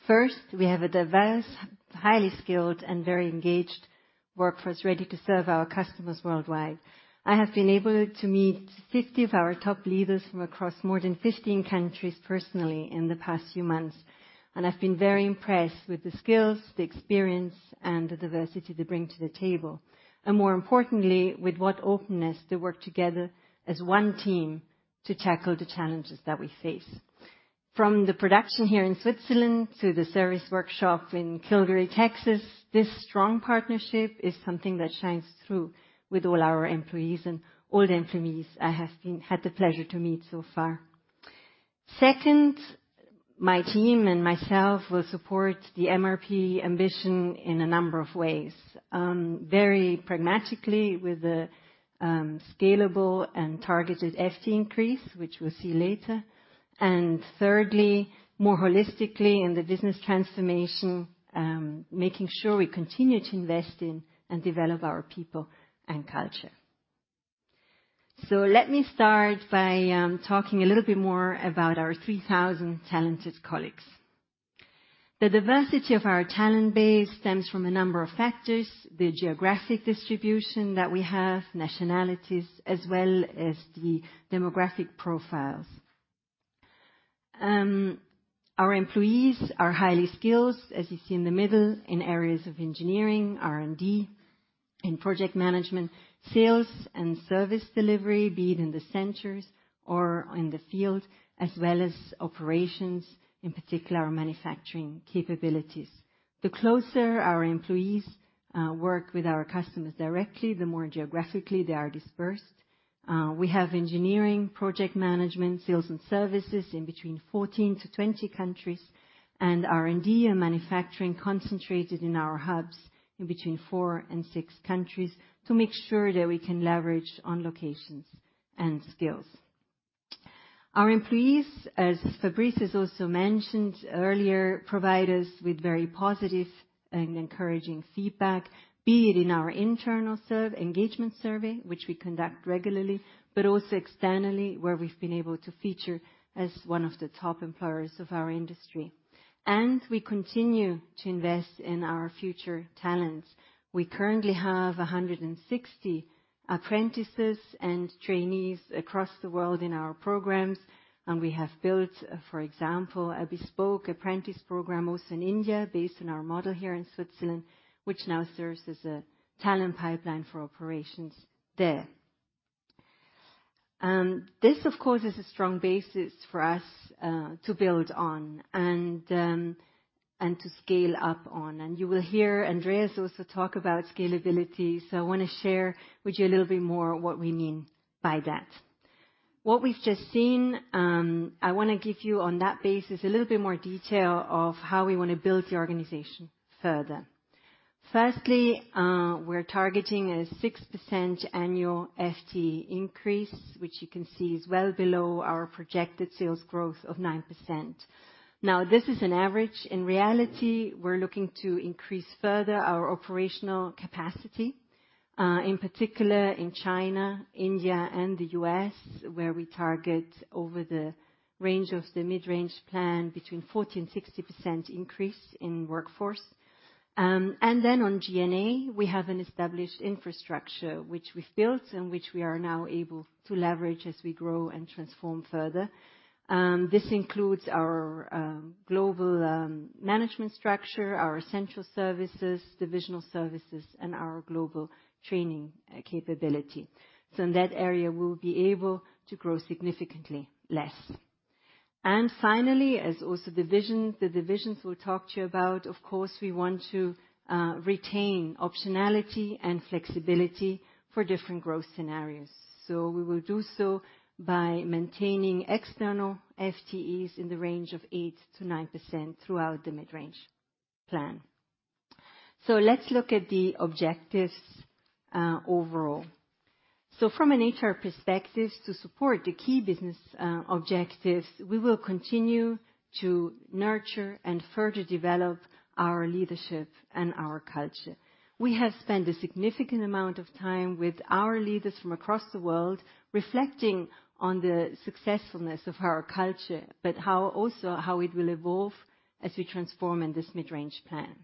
First, we have a diverse, highly skilled, and very engaged workforce ready to serve our customers worldwide. I have been able to meet 50 of our top leaders from across more than 15 countries personally in the past few months, and I've been very impressed with the skills, the experience, and the diversity they bring to the table. More importantly, with what openness they work together as 1 team to tackle the challenges that we face. From the production here in Switzerland to the service workshop in Kilgore, Texas, this strong partnership is something that shines through with all our employees and all the employees I have had the pleasure to meet so far. Second, my team and myself will support the MRP ambition in a number of ways. Very pragmatically with the scalable and targeted FTE increase, which we'll see later. Thirdly, more holistically in the business transformation, making sure we continue to invest in and develop our people and culture. Let me start by talking a little bit more about our 3,000 talented colleagues. The diversity of our talent base stems from a number of factors, the geographic distribution that we have, nationalities, as well as the demographic profiles. Our employees are highly skilled, as you see in the middle, in areas of engineering, R&D, in project management, sales and service delivery, be it in the centers or in the field, as well as operations, in particular, our manufacturing capabilities. The closer our employees work with our customers directly, the more geographically they are dispersed. We have engineering, project management, sales and services in 14-20 countries. R&D and manufacturing concentrated in our hubs in 4-6 countries to make sure that we can leverage on locations and skills. Our employees, as Fabrice has also mentioned earlier, provide us with very positive and encouraging feedback, be it in our internal engagement survey, which we conduct regularly, but also externally, where we've been able to feature as one of the top employers of our industry. We continue to invest in our future talents. We currently have 160 apprentices and trainees across the world in our programs, and we have built, for example, a bespoke apprentice program also in India, based on our model here in Switzerland, which now serves as a talent pipeline for operations there. This of course is a strong basis for us to build on and to scale up on. You will hear Andreas also talk about scalability. I wanna share with you a little bit more what we mean by that. What we've just seen, I wanna give you on that basis a little bit more detail of how we wanna build the organization further. Firstly, we're targeting a 6% annual FTE increase, which you can see is well below our projected sales growth of 9%. Now, this is an average. In reality, we're looking to increase further our operational capacity, in particular, in China, India and the US, where we target over the range of the mid-range plan between 40% and 60% increase in workforce. On G&A, we have an established infrastructure which we've built and which we are now able to leverage as we grow and transform further. This includes our global management structure, our essential services, divisional services, and our global training capability. In that area, we'll be able to grow significantly less. Finally, as also the vision, the divisions we'll talk to you about, of course, we want to retain optionality and flexibility for different growth scenarios. We will do so by maintaining external FTEs in the range of 8% to 9% throughout the mid-range plan. Let's look at the objectives overall. From an HR perspective, to support the key business objectives, we will continue to nurture and further develop our leadership and our culture. We have spent a significant amount of time with our leaders from across the world reflecting on the successfulness of our culture, but also how it will evolve as we transform in this mid-range plan.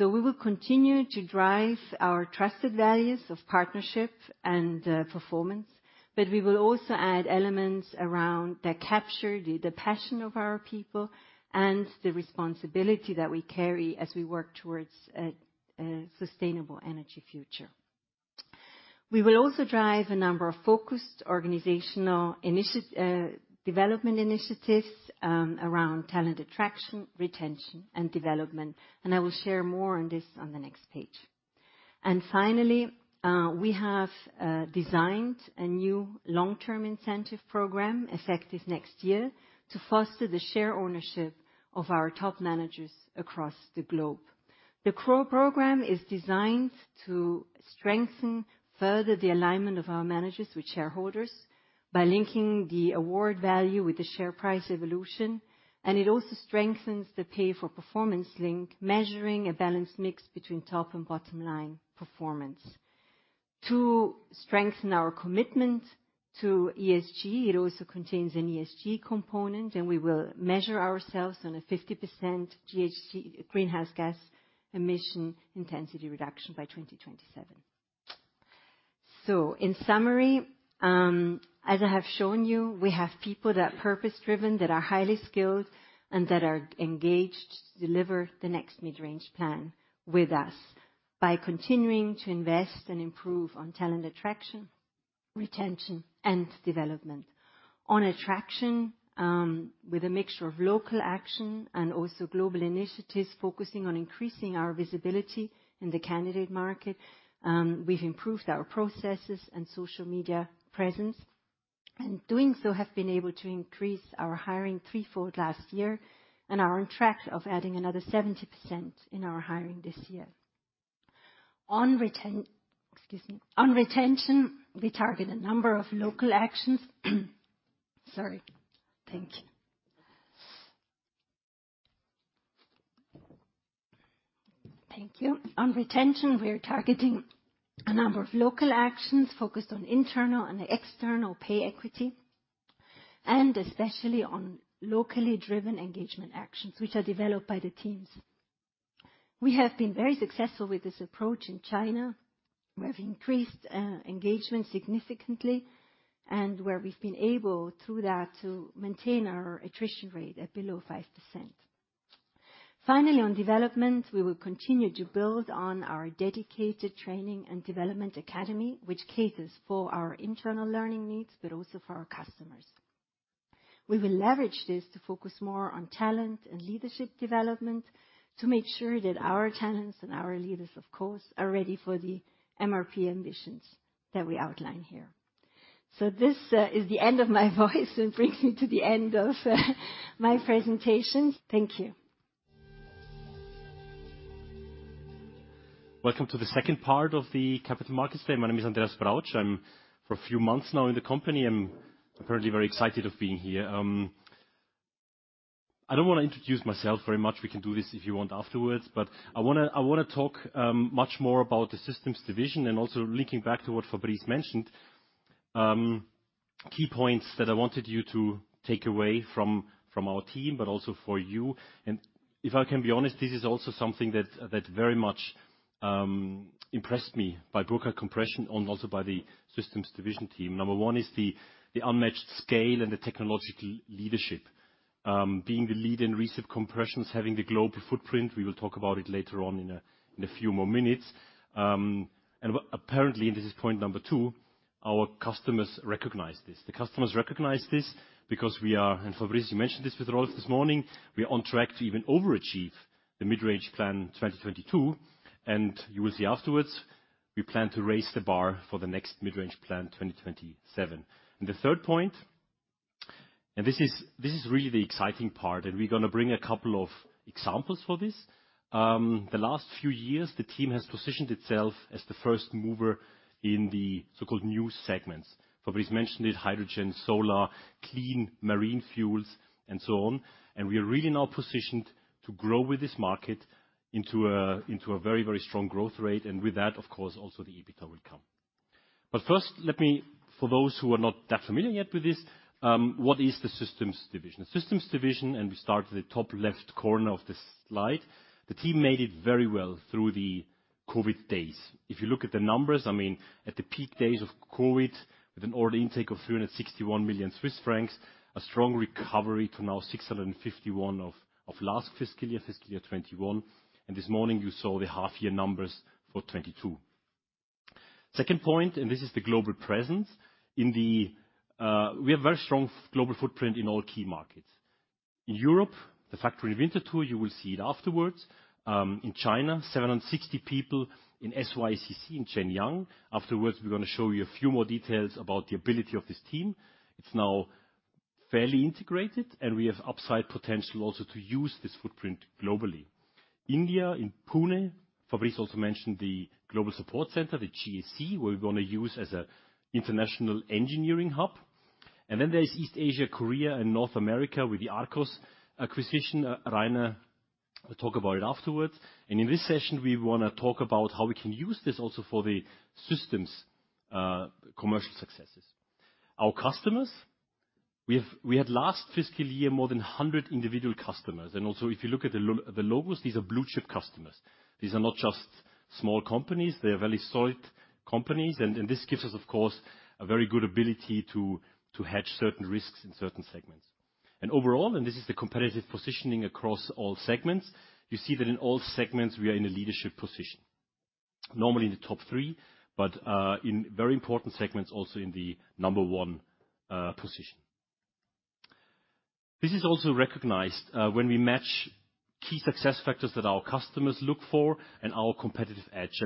We will continue to drive our trusted values of partnership and performance, but we will also add elements around that capture the passion of our people and the responsibility that we carry as we work towards a sustainable energy future. We will also drive a number of focused organizational development initiatives around talent attraction, retention, and development. I will share more on this on the next page. Finally, we have designed a new long-term incentive program effective next year to foster the share ownership of our top managers across the globe. The GROW Program is designed to strengthen further the alignment of our managers with shareholders by linking the award value with the share price evolution, and it also strengthens the pay for performance link, measuring a balanced mix between top and bottom line performance. To strengthen our commitment to ESG, it also contains an ESG component, and we will measure ourselves on a 50% GHG, greenhouse gas emission intensity reduction by 2027. In summary, as I have shown you, we have people that are purpose-driven, that are highly skilled, and that are engaged to deliver the next mid-range plan with us by continuing to invest and improve on talent attraction, retention, and development. On attraction, with a mixture of local action and also global initiatives focusing on increasing our visibility in the candidate market, we've improved our processes and social media presence. Doing so have been able to increase our hiring threefold last year and are on track of adding another 70% in our hiring this year. On retention, we target a number of local actions. On retention, we're targeting a number of local actions focused on internal and external pay equity, and especially on locally driven engagement actions, which are developed by the teams. We have been very successful with this approach in China. We have increased engagement significantly and where we've been able through that to maintain our attrition rate at below 5%. Finally, on development, we will continue to build on our dedicated training and development academy, which caters for our internal learning needs, but also for our customers. We will leverage this to focus more on talent and leadership development to make sure that our talents and our leaders, of course, are ready for the MRP ambitions that we outline here. This is the end of my voice and brings me to the end of my presentation. Thank you. Welcome to the second part of the Capital Markets Day. My name is Andreas Brautsch. I'm for a few months now in the company. I'm apparently very excited of being here. I don't wanna introduce myself very much. We can do this if you want afterwards, but I wanna talk much more about the Systems Division and also linking back to what Fabrice mentioned. Key points that I wanted you to take away from our team, but also for you. If I can be honest, this is also something that very much impressed me by Burckhardt Compression and also by the Systems Division team. Number 1 is the unmatched scale and the technological leadership. Being the lead in recip compressions, having the global footprint. We will talk about it later on in a few more minutes. Apparently, this is point number 2, our customers recognize this. The customers recognize this because we are, and Fabrice, you mentioned this with Rolf this morning, we are on track to even overachieve the mid-range plan 2022, and you will see afterwards, we plan to raise the bar for the next mid-range plan 2027. The third point, this is really the exciting part, and we're gonna bring a couple of examples for this. The last few years, the team has positioned itself as the first mover in the so-called new segments. Fabrice mentioned it, hydrogen, solar, clean marine fuels, and so on, and we are really now positioned to grow with this market into a very, very strong growth rate, and with that, of course, also the EBITDA will come. First, let me, for those who are not that familiar yet with this, what is the Systems Division? The Systems Division. We start at the top left corner of this slide. The team made it very well through the COVID days. If you look at the numbers, I mean, at the peak days of COVID, with an order intake of 361 million Swiss francs, a strong recovery to now 651 million of last fiscal year, fiscal year 2021. This morning you saw the half-year numbers for 2022. Second point, this is the global presence. We have very strong global footprint in all key markets. In Europe, the factory Winterthur, you will see it afterwards. In China, 76 people in SYCC in Shenyang. Afterwards, we're gonna show you a few more details about the ability of this team. It's now fairly integrated, and we have upside potential also to use this footprint globally. India, in Pune, Fabrice also mentioned the Global Support Center, the GSC, we're gonna use as an international engineering hub. Then there's East Asia, Korea and North America with the Arkos acquisition. Rainer will talk about it afterwards. In this session, we wanna talk about how we can use this also for the systems commercial successes. Our customers, we had last fiscal year more than 100 individual customers. Also if you look at the logos, these are blue chip customers. These are not just small companies, they are very solid companies. This gives us of course a very good ability to hedge certain risks in certain segments. Overall, this is the competitive positioning across all segments. You see that in all segments we are in a leadership position. Normally in the top 3, but in very important segments, also in the number 1 position. This is also recognized when we match key success factors that our customers look for and our competitive edge.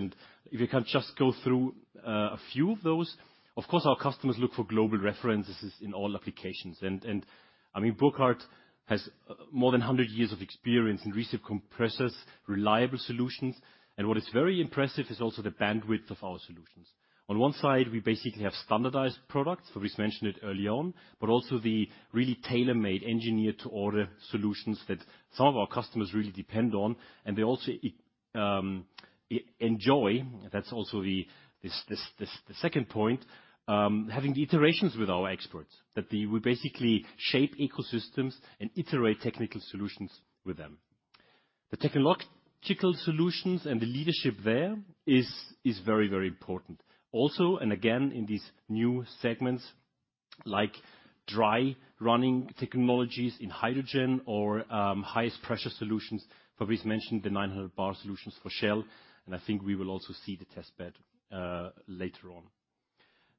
If you can just go through a few of those. Of course, our customers look for global references in all applications. I mean, Burckhardt has more than 100 years of experience in recip compressors, reliable solutions, and what is very impressive is also the bandwidth of our solutions. On 1 side, we basically have standardized products. Fabrice mentioned it early on, but also the really tailor-made, engineered-to-order solutions that some of our customers really depend on, and they also enjoy. That's also the second point, having the iterations with our experts. That we basically shape ecosystems and iterate technical solutions with them. The technological solutions and the leadership there is very important. Also, again, in these new segments like dry-running technologies in hydrogen or highest pressure solutions. Fabrice mentioned the 900 bar solutions for Shell, and I think we will also see the test bed later on.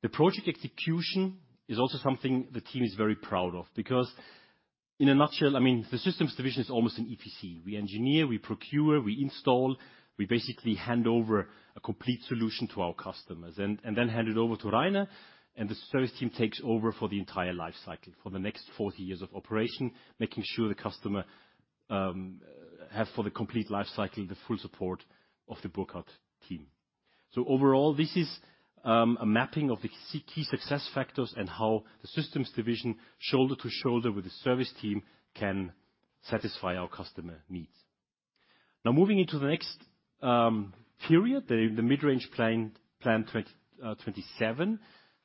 The project execution is also something the team is very proud of, because in a nutshell, I mean, the Systems Division is almost an EPC. We engineer, we procure, we install, we basically hand over a complete solution to our customers. hand it over to Rainer, and the service team takes over for the entire life cycle, for the next 40 years of operation, making sure the customer has for the complete life cycle, the full support of the Burckhardt team. Overall, this is a mapping of the key success factors and how the systems division, shoulder to shoulder with the service team, can satisfy our customer needs. Now, moving into the next period, the mid-range plan 2027.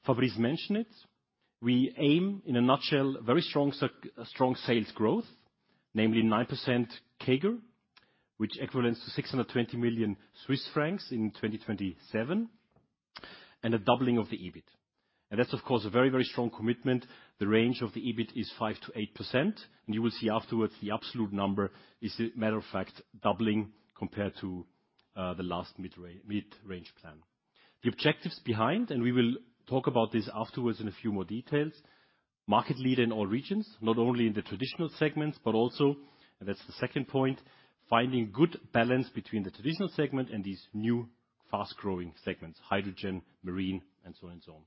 Fabrice mentioned it. We aim, in a nutshell, very strong sales growth, namely 9% CAGR, which is equivalent to 620 million Swiss francs in 2027, and a doubling of the EBIT. That's of course a very, very strong commitment. The range of the EBIT is 5% to 8%, and you will see afterwards the absolute number is, as a matter of fact, doubling compared to the last mid-range plan. The objectives behind, and we will talk about this afterwards in a few more details. Market leader in all regions, not only in the traditional segments, but also, and that's the second point, finding good balance between the traditional segment and these new fast-growing segments, hydrogen, marine, and so on and so on.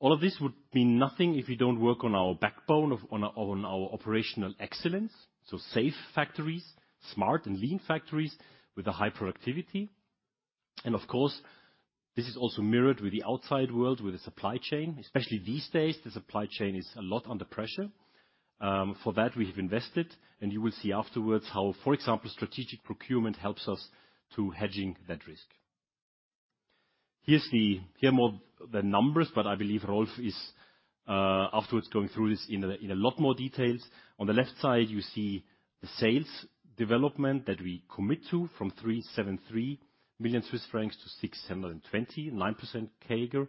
All of this would mean nothing if we don't work on our backbone of operational excellence, so safe factories, smart and lean factories with a high productivity. Of course, this is also mirrored with the outside world, with the supply chain. Especially these days, the supply chain is a lot under pressure. For that we have invested, and you will see afterwards how, for example, strategic procurement helps us to hedging that risk. Here more the numbers, but I believe Rolf is afterwards going through this in a lot more details. On the left side, you see the sales development that we commit to from 373 million Swiss francs to 629% CAGR.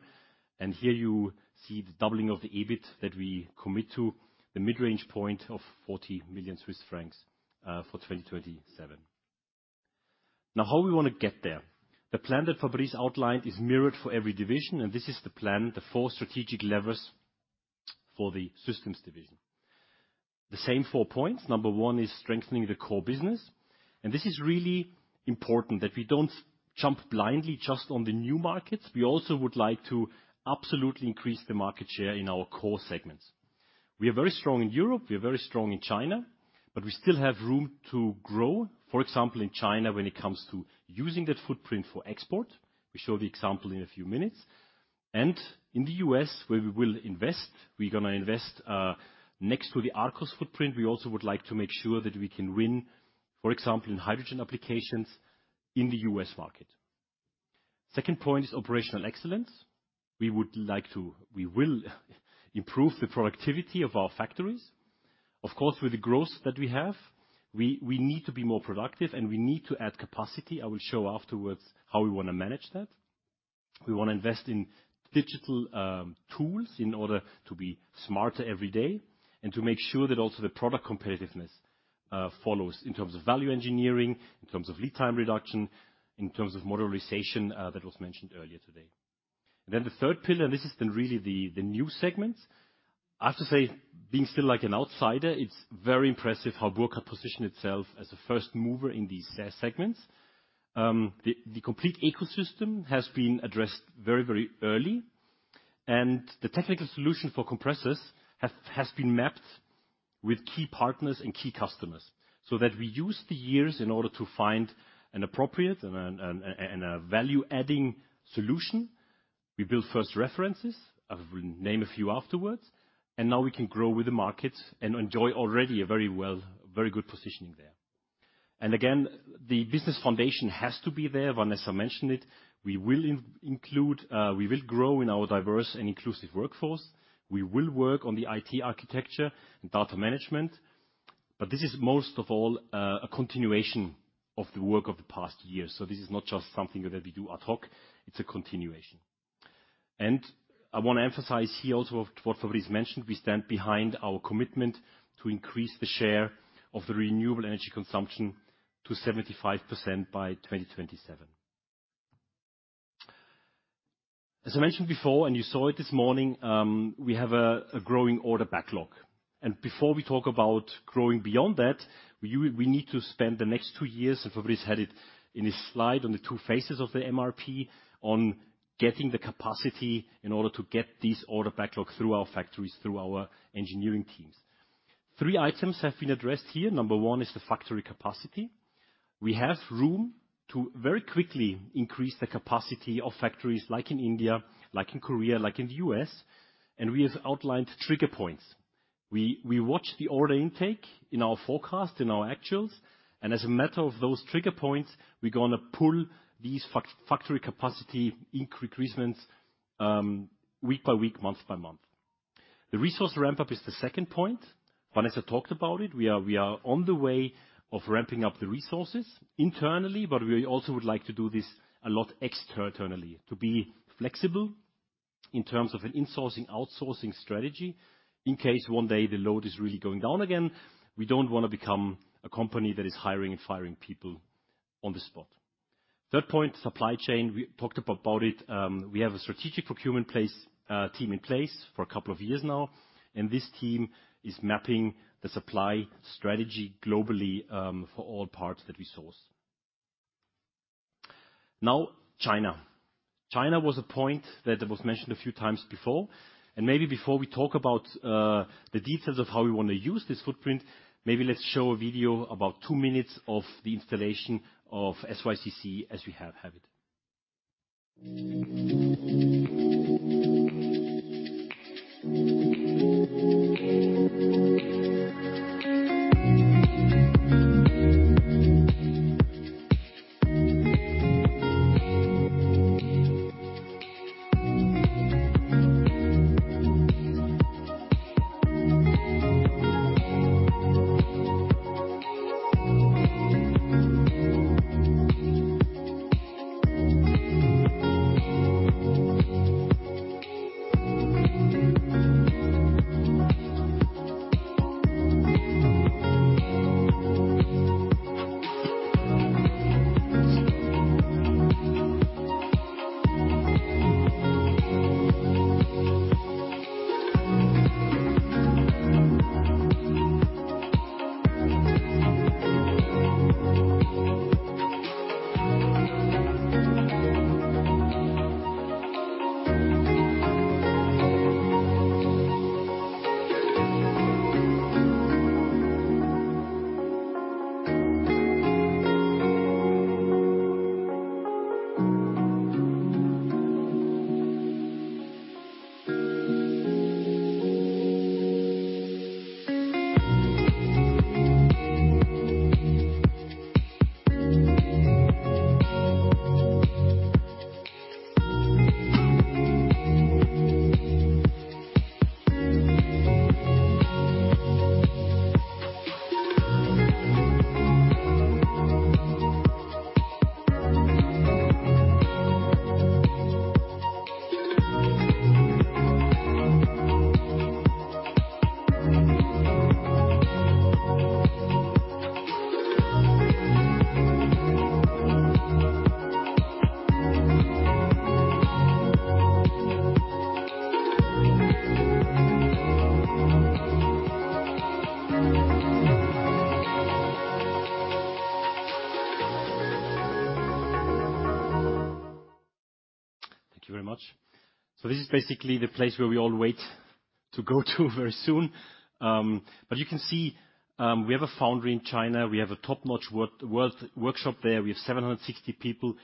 Here you see the doubling of the EBIT that we commit to the mid-range point of 40 million Swiss francs for 2027. Now, how we wanna get there. The plan that Fabrice outlined is mirrored for every division, and this is the plan, the 4 strategic levers for the systems division. The same 4 points. Number 1 is strengthening the core business, and this is really important that we don't jump blindly just on the new markets. We also would like to absolutely increase the market share in our core segments. We are very strong in Europe, we are very strong in China, but we still have room to grow. For example, in China, when it comes to using that footprint for export, we show the example in a few minutes. In the US, where we will invest, we're gonna invest next to the Arkos footprint, we also would like to make sure that we can win, for example, in hydrogen applications in the US market. Second point is operational excellence. We will improve the productivity of our factories. Of course, with the growth that we have, we need to be more productive, and we need to add capacity. I will show afterwards how we wanna manage that. We wanna invest in digital tools in order to be smarter every day and to make sure that also the product competitiveness follows in terms of value engineering, in terms of lead time reduction, in terms of modularization, that was mentioned earlier today. The third pillar, and this has been really the new segment. I have to say, being still like an outsider, it's very impressive how Burckhardt positioned itself as a first mover in these SES segments. The complete ecosystem has been addressed very early, and the technical solution for compressors has been mapped with key partners and key customers, so that we use the years in order to find an appropriate and a value-adding solution. We build first references, I will name a few afterwards, and now we can grow with the market and enjoy already a very good positioning there. Again, the business foundation has to be there. Vanessa mentioned it. We will include, we will grow in our diverse and inclusive workforce. We will work on the IT architecture and data management. This is most of all a continuation of the work of the past years. This is not just something that we do ad hoc, it's a continuation. I wanna emphasize here also what Fabrice mentioned, we stand behind our commitment to increase the share of the renewable energy consumption to 75% by 2027. As I mentioned before, and you saw it this morning, we have a growing order backlog. Before we talk about growing beyond that, we need to spend the next 2 years, and Fabrice had it in his slide on the 2 phases of the MRP, on getting the capacity in order to get this order backlog through our factories, through our engineering teams. 3 items have been addressed here. Number 1 is the factory capacity. We have room to very quickly increase the capacity of factories like in India, like in Korea, like in the U.S., and we have outlined trigger points. We watch the order intake in our forecast, in our actuals, and as a matter of those trigger points, we're gonna pull these factory capacity increases week by week, month by month. The resource ramp-up is the second point. Vanessa talked about it. We are on the way of ramping up the resources internally, but we also would like to do this a lot externally to be flexible in terms of an insourcing, outsourcing strategy, in case one day the load is really going down again. We don't wanna become a company that is hiring and firing people on the spot. Third point, supply chain. We talked about it. We have a strategic procurement team in place for a couple of years now, and this team is mapping the supply strategy globally, for all parts that we source. Now, China. China was a point that was mentioned a few times before, and maybe before we talk about the details of how we wanna use this footprint, maybe let's show a video about 2 minutes of the installation of SYCC as we have had it. Thank you very much. This is basically the place where we all wait to go to very soon. You can see, we have a foundry in China. We have a top-notch world workshop there. We have 760 people.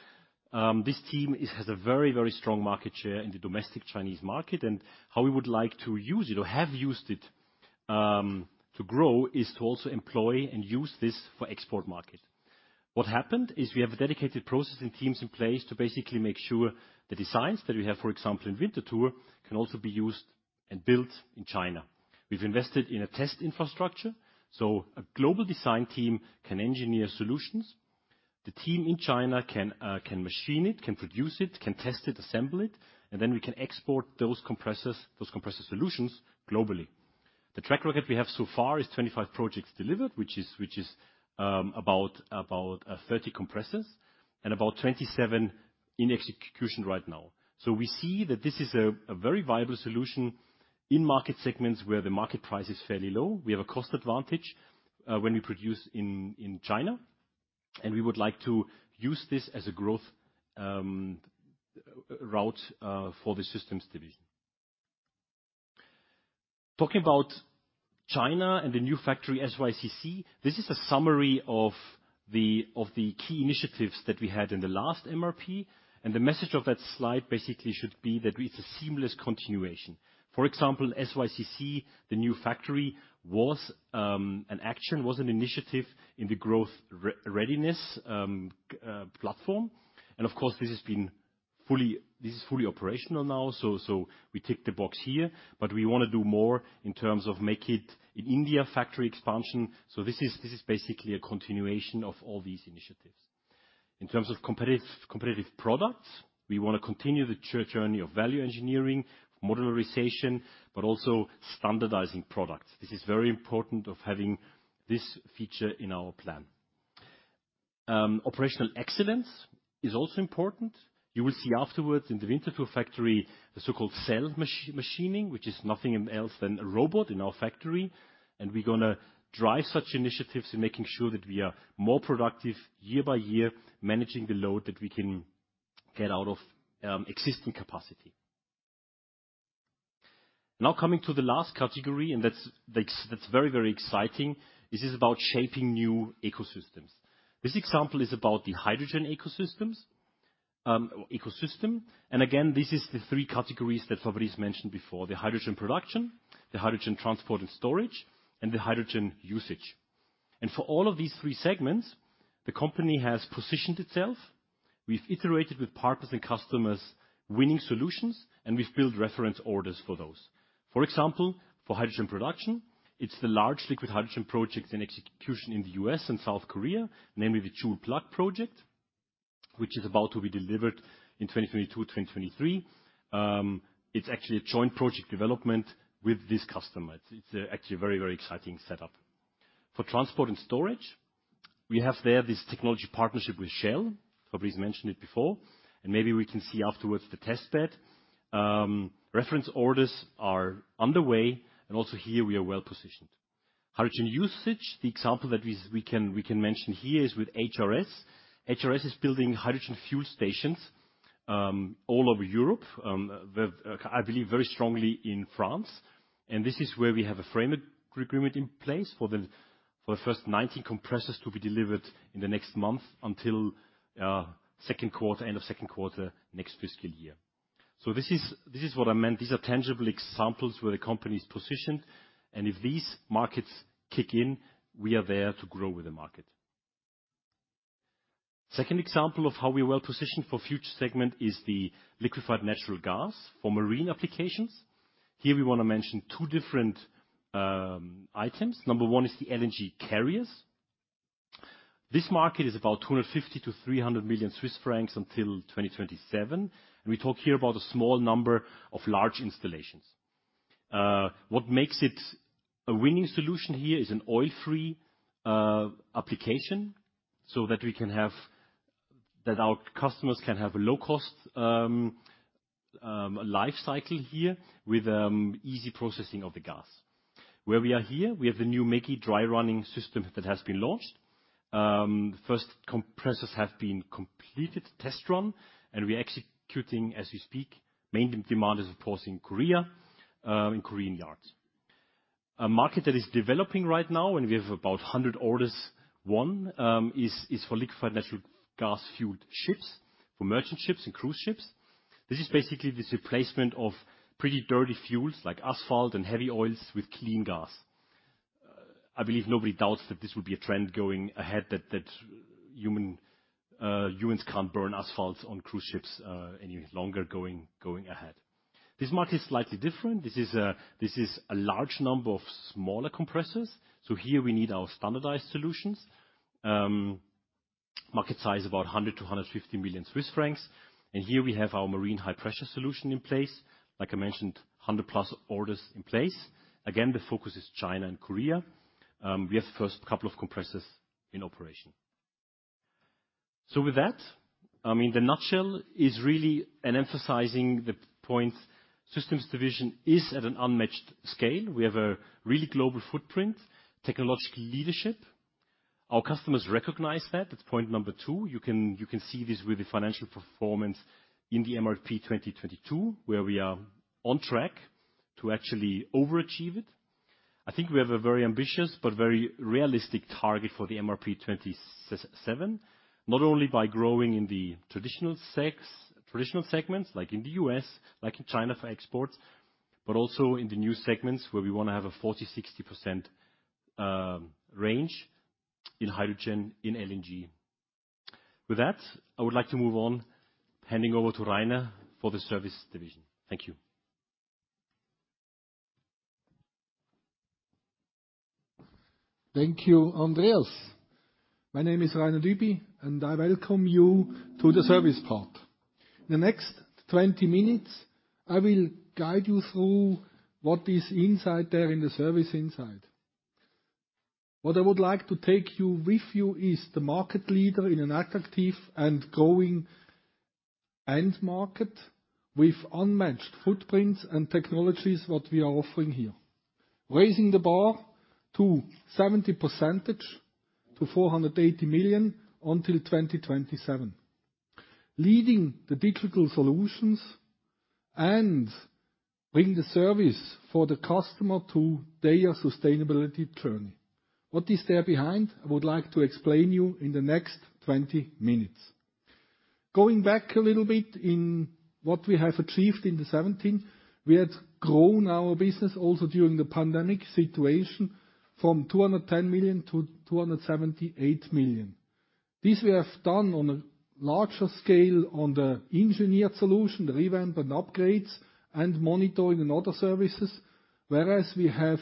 This team has a very, very strong market share in the domestic Chinese market, and how we would like to use it or have used it to grow is to also employ and use this for export market. What happened is we have dedicated processing teams in place to basically make sure the designs that we have, for example, in Winterthur, can also be used and built in China. We've invested in a test infrastructure, so a global design team can engineer solutions. The team in China can machine it, can produce it, can test it, assemble it, and then we can export those compressors, those compressor solutions globally. The track record we have so far is 25 projects delivered, which is about 30 compressors and about 27 in execution right now. We see that this is a very viable solution in market segments where the market price is fairly low. We have a cost advantage when we produce in China, and we would like to use this as a growth route for the Systems Division. Talking about China and the new factory, SYCC, this is a summary of the key initiatives that we had in the last MRP, and the message of that slide basically should be that it's a seamless continuation. For example, SYCC, the new factory, was an initiative in the growth readiness platform. This is fully operational now, so we tick the box here, but we wanna do more in terms of making it an Indian factory expansion. This is basically a continuation of all these initiatives. In terms of competitive products, we wanna continue the journey of value engineering, modularization, but also standardizing products. This is very important of having this feature in our plan. Operational excellence is also important. You will see afterwards in the Winterthur factory, the so-called Cellular Machining, which is nothing else than a robot in our factory, and we're gonna drive such initiatives in making sure that we are more productive year by year, managing the load that we can get out of existing capacity. Now coming to the last category, that's very exciting. This is about shaping new ecosystems. This example is about the hydrogen ecosystem, and again, this is the 3 categories that Fabrice mentioned before, the hydrogen production, the hydrogen transport and storage, and the hydrogen usage. For all of these 3 segments, the company has positioned itself. We've iterated with partners and customers winning solutions, and we've built reference orders for those. For example, for hydrogen production, it's the large liquid hydrogen project in execution in the U.S. and South Korea, namely the Chulplat project, which is about to be delivered in 2022-2023. It's actually a joint project development with this customer. It's actually a very exciting setup. For transport and storage, we have there this technology partnership with Shell. Fabrice mentioned it before, and maybe we can see afterwards the test bed. Reference orders are underway, and also here we are well positioned. Hydrogen usage, the example that we can mention here is with HRS. HRS is building hydrogen fuel stations all over Europe. I believe very strongly in France, and this is where we have a framework agreement in place for the first 19 compressors to be delivered in the next month until Q2, end of Q2, next fiscal year. This is what I meant. These are tangible examples where the company's positioned, and if these markets kick in, we are there to grow with the market. Second example of how we're well positioned for future segment is the liquefied natural gas for marine applications. Here we wanna mention 2 different items. Number 1 is the LNG carriers. This market is about 250 million-300 million Swiss francs until 2027, and we talk here about a small number of large installations. What makes it a winning solution here is an oil-free application, so that our customers can have a low cost life cycle here with easy processing of the gas. Where we are here, we have the new ME-GI dry-running system that has been launched. First compressors have been completed test run, and we're executing as we speak. Main demand is, of course, in Korea, in Korean yards. A market that is developing right now, and we have about 100 orders won is for liquefied natural gas-fueled ships, for merchant ships and cruise ships. This is basically the replacement of pretty dirty fuels like asphalt and heavy oils with clean gas. I believe nobody doubts that this will be a trend going ahead that humans can't burn asphalts on cruise ships any longer going ahead. This market is slightly different. This is a large number of smaller compressors. Here we need our standardized solutions. Market size about 100 million-150 million Swiss francs. Here we have our marine high pressure solution in place. Like I mentioned, 100+ orders in place. Again, the focus is China and Korea. We have first couple of compressors in operation. With that, I mean, in a nutshell, really emphasizing the points, Systems Division is at an unmatched scale. We have a really global footprint, technological leadership. Our customers recognize that. That's point number 2. You can see this with the financial performance in the MRP 2022, where we are on track to actually overachieve it. I think we have a very ambitious but very realistic target for the MRP 2027. Not only by growing in the traditional segments, like in the U.S., like in China for exports, but also in the new segments where we wanna have a 40-60% range in hydrogen, in LNG. With that, I would like to move on, handing over to Rainer for the service division. Thank you. Thank you, Andreas. My name is Rainer Dübi, and I welcome you to the service part. In the next 20 minutes, I will guide you through what is inside there in the service inside. What I would like to take you with you is the market leader in an attractive and growing end market with unmatched footprints and technologies, what we are offering here. Raising the bar to 70% to 480 million until 2027. Leading the digital solutions and bring the service for the customer to their sustainability journey. What is there behind? I would like to explain you in the next 20 minutes. Going back a little bit in what we have achieved in 2017, we had grown our business also during the pandemic situation from 210 million to 278 million. This we have done on a larger scale on the engineered solutions, the revamp and upgrades, and monitoring and other services, whereas we have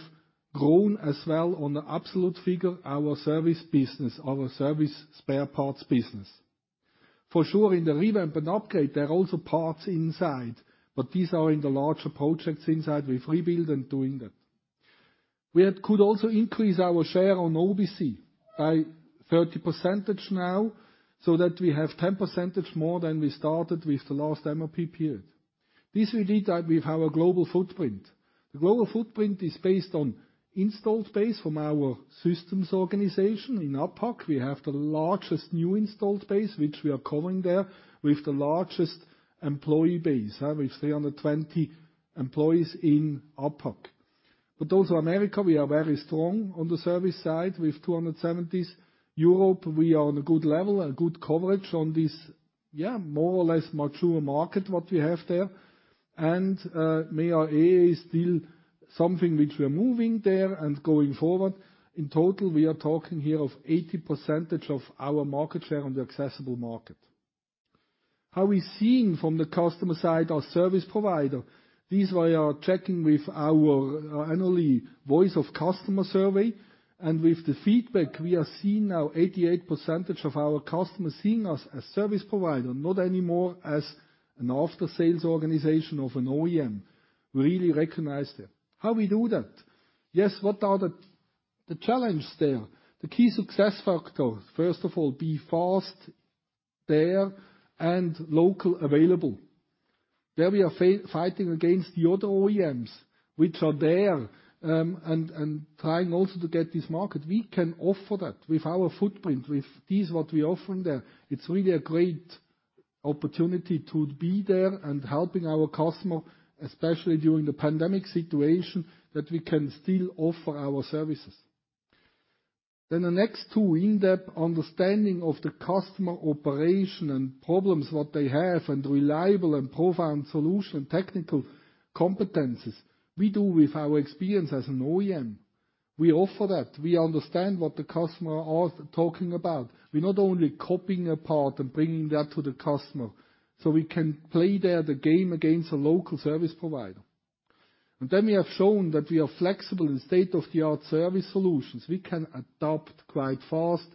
grown as well on the absolute figure, our service business, our service spare parts business. For sure, in the revamp and upgrade, there are also parts inside, but these are in the larger projects inside with rebuild and doing that. We have also been able to increase our share on OBC by 30% now, so that we have 10% more than we started with the last MRP period. This we did with our global footprint. The global footprint is based on installed base from our Systems organization. In APAC, we have the largest new installed base, which we are covering there, with the largest employee base. We have 320 employees in APAC. Also America, we are very strong on the service side with 270s. Europe, we are on a good level, a good coverage on this, more or less mature market what we have there. MEA and APAC is still something which we are moving there and going forward. In total, we are talking here of 80% of our market share on the accessible market. How we seeing from the customer side our service provider? This we are checking with our annually Voice of the Customer survey. With the feedback, we are seeing now 88% of our customers seeing us as service provider, not anymore as an after-sales organization of an OEM, really recognize that. How we do that? Yes, what are the challenge there? The key success factor, first of all, be fast, there and local available. There we are fighting against the other OEMs which are there, and trying also to get this market. We can offer that with our footprint, with what we offering there. It's really a great opportunity to be there and helping our customer, especially during the pandemic situation, that we can still offer our services. The next 2 in-depth understanding of the customer operation and problems, what they have, and reliable and profound solution, technical competencies. We do with our experience as an OEM. We offer that. We understand what the customer are talking about. We're not only copying a part and bringing that to the customer, so we can play there the game against a local service provider. We have shown that we are flexible in state-of-the-art service solutions. We can adapt quite fast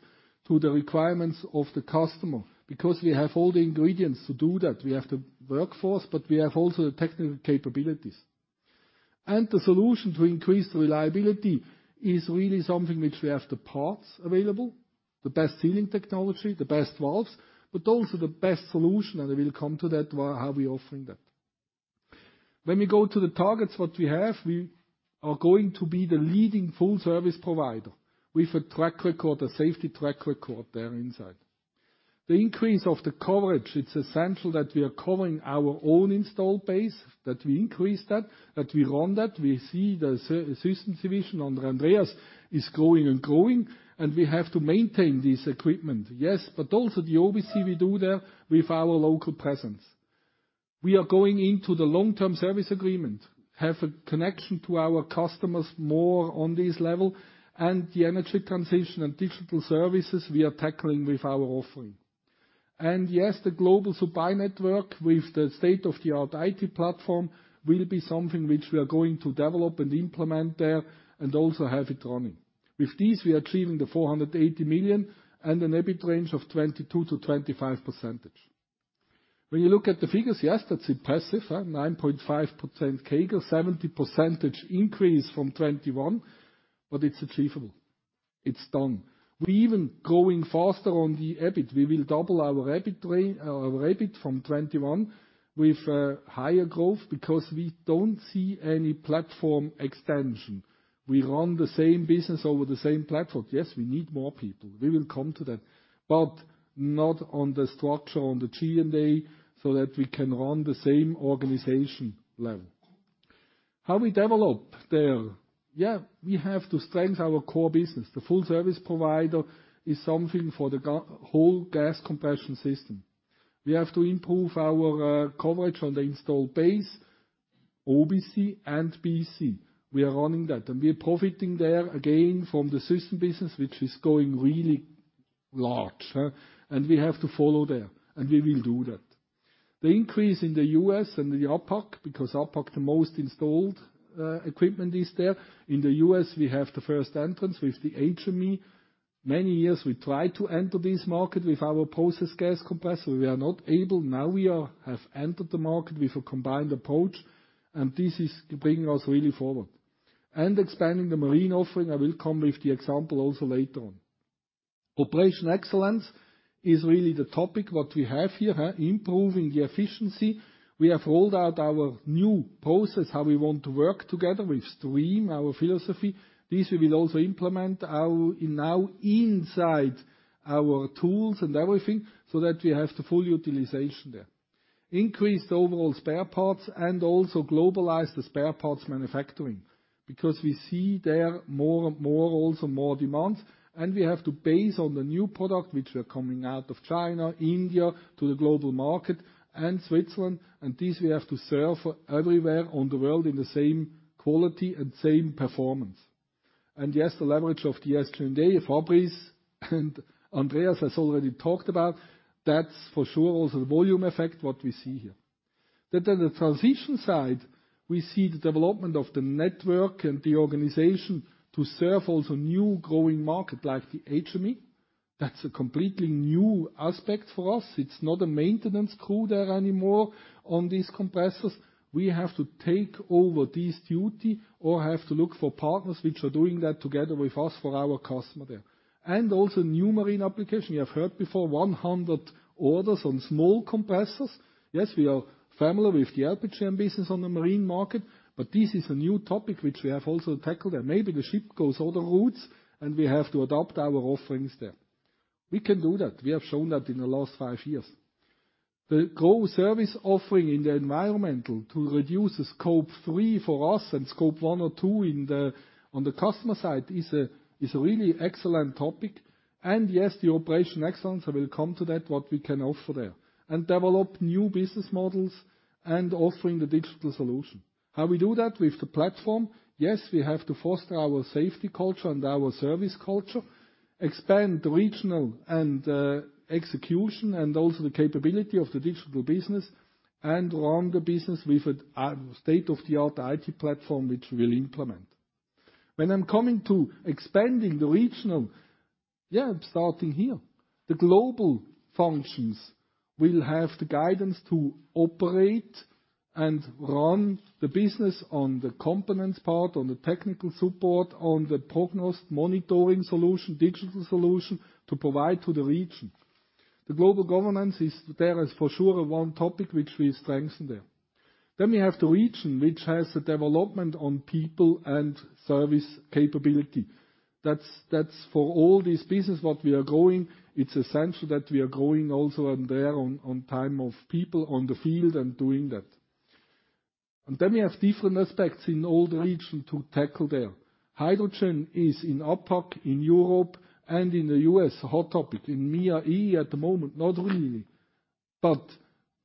to the requirements of the customer because we have all the ingredients to do that. We have the workforce, but we have also the technical capabilities. The solution to increase the reliability is really something which we have the parts available, the best sealing technology, the best valves, but also the best solution, and we will come to that, how we offering that. When we go to the targets what we have, we are going to be the leading full service provider with a track record, a safety track record there inside. The increase of the coverage, it's essential that we are covering our own installed base, that we increase that we run that. We see the systems division under Andreas is growing and growing, and we have to maintain this equipment, yes. Also the OBC we do there with our local presence. We are going into the long-term service agreement, have a connection to our customers more on this level, and the energy transition and digital services we are tackling with our offering. Yes, the global supply network with the state-of-the-art IT platform will be something which we are going to develop and implement there and also have it running. With this, we are achieving 480 million and an EBIT range of 22% to 25%. When you look at the figures, yes, that's impressive, huh? 9.5% CAGR, 70% increase from 2021, but it's achievable. It's done. We even growing faster on the EBIT. We will double our EBIT from 2021 with higher growth because we don't see any platform extension. We run the same business over the same platform. Yes, we need more people. We will come to that. Not on the structure, on the G&A, so that we can run the same organization level. How we develop there? Yeah, we have to strengthen our core business. The full service provider is something for the whole gas compression system. We have to improve our coverage on the installed base, OBC and BC. We are running that. We are profiting there again from the system business, which is going really large. We have to follow there, and we will do that. The increase in the U.S. and the APAC, because APAC the most installed equipment is there. In the U.S., we have the first entrance with the HME. Many years we tried to enter this market with our process gas compressor. Now we have entered the market with a combined approach, and this is bringing us really forward. Expanding the marine offering, I will come with the example also later on. Operational excellence is really the topic that we have here. Improving the efficiency. We have rolled out our new process, how we want to work together with STREAM, our philosophy. This we will also implement now inside our tools and everything, so that we have the full utilization there. Increase the overall spare parts and also globalize the spare parts manufacturing. Because we see there more demands, and we have to base on the new product, which are coming out of China, India, to the global market, and Switzerland. This we have to serve everywhere in the world in the same quality and same performance. Yes, the leverage of the SG&A, as Fabrice and Andreas Brautsch have already talked about, that's for sure also the volume effect what we see here. On the transition side, we see the development of the network and the organization to serve also new growing market like the HME. That's a completely new aspect for us. It's not a maintenance crew there anymore on these compressors. We have to take over this duty or have to look for partners which are doing that together with us for our customer there. Also new marine application. You have heard before, 100 orders on small compressors. Yes, we are familiar with the LPGM business on the marine market, but this is a new topic which we have also tackled, and maybe the ship goes other routes, and we have to adapt our offerings there. We can do that. We have shown that in the last 5 years. The growth service offering in the environmental to reduce the Scope 3 for us and Scope 1 or 2 on the customer side is a really excellent topic. Yes, the operation excellence, I will come to that, what we can offer there. Develop new business models and offering the digital solution. How we do that? With the platform. Yes, we have to foster our safety culture and our service culture, expand the regional execution and also the capability of the digital business, and run the business with a state-of-the-art IT platform which we'll implement. When I'm coming to expanding the regional, I'm starting here. The global functions will have the guidance to operate and run the business on the components part, on the technical support, on the PROGNOST monitoring solution, digital solution to provide to the region. The global governance is there, is for sure 1 topic which we strengthen there. We have the region which has the development on people and service capability. That's for all this business what we are growing, it's essential that we are growing also on time of people on the field and doing that. We have different aspects in all the region to tackle there. Hydrogen is in APAC, in Europe, and in the U.S., a hot topic. In MEA at the moment, not really.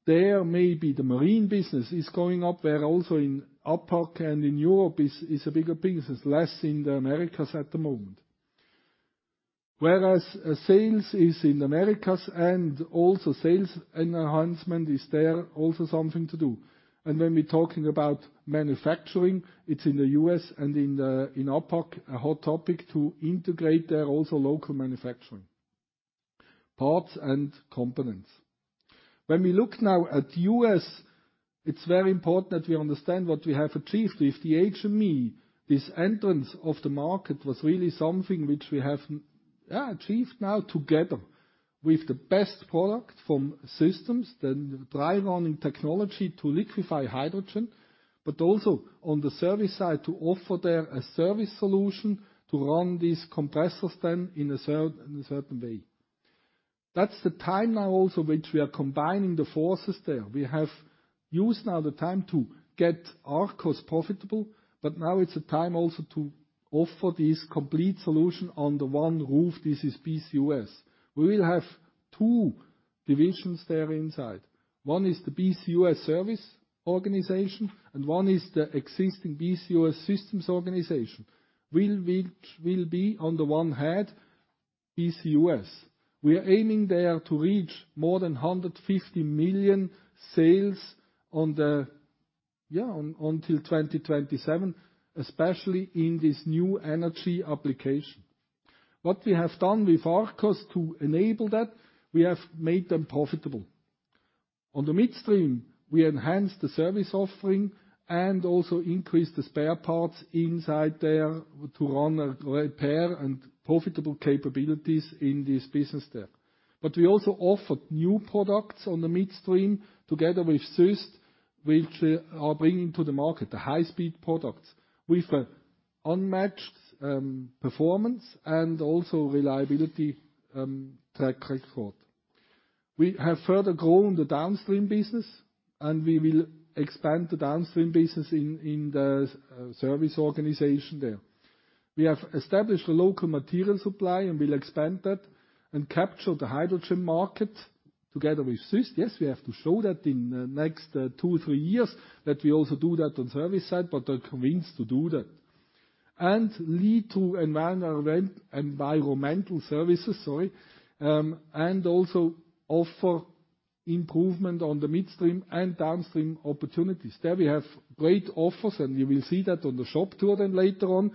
There may be the marine business is going up there also in APAC and in Europe is a bigger business, less in the Americas at the moment. Whereas, sales is in Americas and also sales enhancement is there also something to do. When we're talking about manufacturing, it's in the U.S. and in APAC, a hot topic to integrate there also local manufacturing. Parts and components. When we look now at U.S., it's very important that we understand what we have achieved with the HME. This entrance of the market was really something which we have achieved now together with the best product from systems, dry-running technology to liquefy hydrogen, but also on the service side to offer there a service solution to run these compressors then in a certain way. That's the time now also which we are combining the forces there. We have used now the time to get Arkos profitable, but now it's a time also to offer this complete solution under 1 roof. This is BCUS. We will have 2 divisions there inside. 1 is the BCUS service organization, and 1 is the existing BCUS systems organization. Will be under 1 head, BCUS. We are aiming there to reach more than 150 million sales until 2027, especially in this new energy application. What we have done with Arkos to enable that, we have made them profitable. On the midstream, we enhanced the service offering and also increased the spare parts inside there to run a repair and profitable capabilities in this business there. We also offered new products on the midstream together with SES, which are bringing to the market the high-speed products with a unmatched performance and also reliability track record. We have further grown the downstream business, and we will expand the downstream business in the service organization there. We have established a local material supply and will expand that and capture the hydrogen market together with SES. Yes, we have to show that in the next 2, 3 years that we also do that on service side, but are convinced to do that. Lead to environmental services, and also offer improvement on the midstream and downstream opportunities. There we have great offers, and you will see that on the shop tour then later on,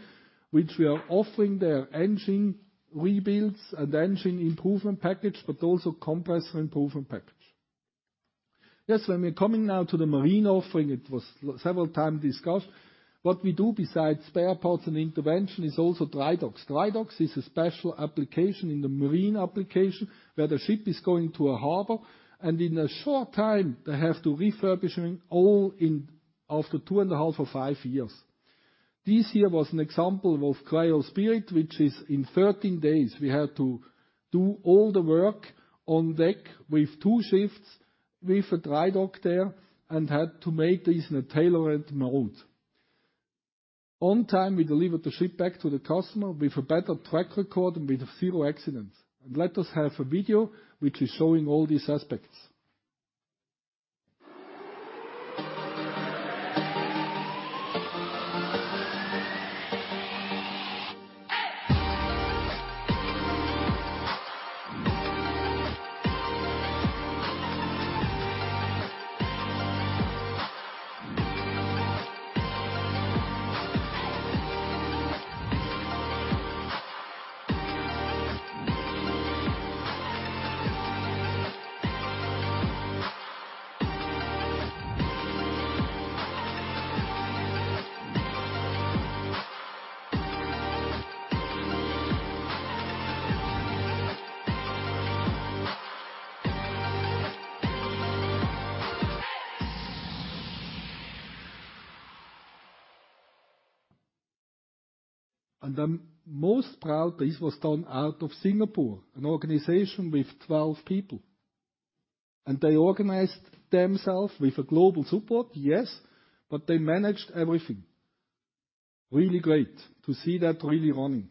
which we are offering there engine rebuilds and engine improvement package, but also compressor improvement package. When we're coming now to the marine offering, it was several times discussed. What we do besides spare parts and intervention is also dry docks. Dry docks is a special application in the marine application, where the ship is going to a harbor, and in a short time they have to refurbishing all in after 2.5 or 5 years. This here was an example of Raw Spirit, which is in 13 days, we had to do all the work on deck with 2 shifts, with a dry dock there, and had to make this in a tailor-made mold. On time, we delivered the ship back to the customer with a better track record and with 0 accidents. Let us have a video which is showing all these aspects. I'm most proud this was done out of Singapore, an organization with 12 people. They organized themselves with a global support, yes, but they managed everything. Really great to see that really running.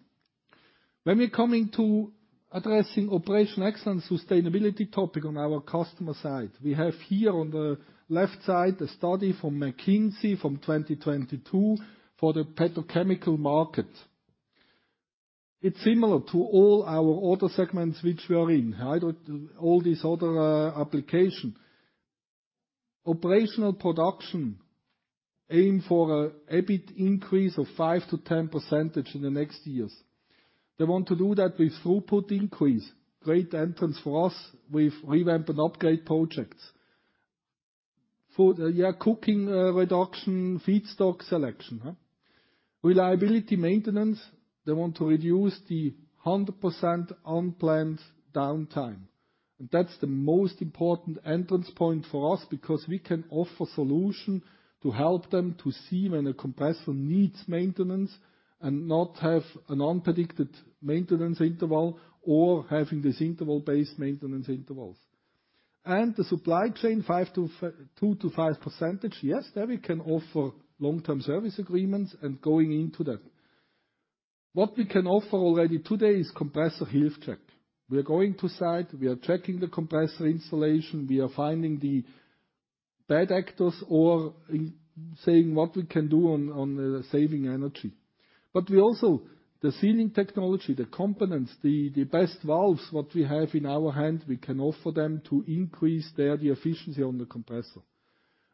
When we're coming to addressing operational excellence sustainability topic on our customer side, we have here on the left side a study from McKinsey from 2022 for the petrochemical market. It's similar to all our other segments which we are in. All these other applications. Operational production aims for an EBIT increase of 5% to 10% in the next years. They want to do that with throughput increase, great entry for us with revamp and upgrade projects. For the cost reduction, feedstock selection. Reliability maintenance, they want to reduce 100% unplanned downtime. That's the most important entry point for us because we can offer solutions to help them see when a compressor needs maintenance and not have an unpredicted maintenance interval or having this interval-based maintenance intervals. The supply chain, 2% to 5%, yes, there we can offer long-term service agreements and going into that. What we can offer already today is compressor health check. We are going to site. We are checking the compressor installation. We are finding the bad actors, saying what we can do on the saving energy. We also [offer] the sealing technology, the components, the best valves, what we have in our hand, we can offer them to increase their efficiency on the compressor.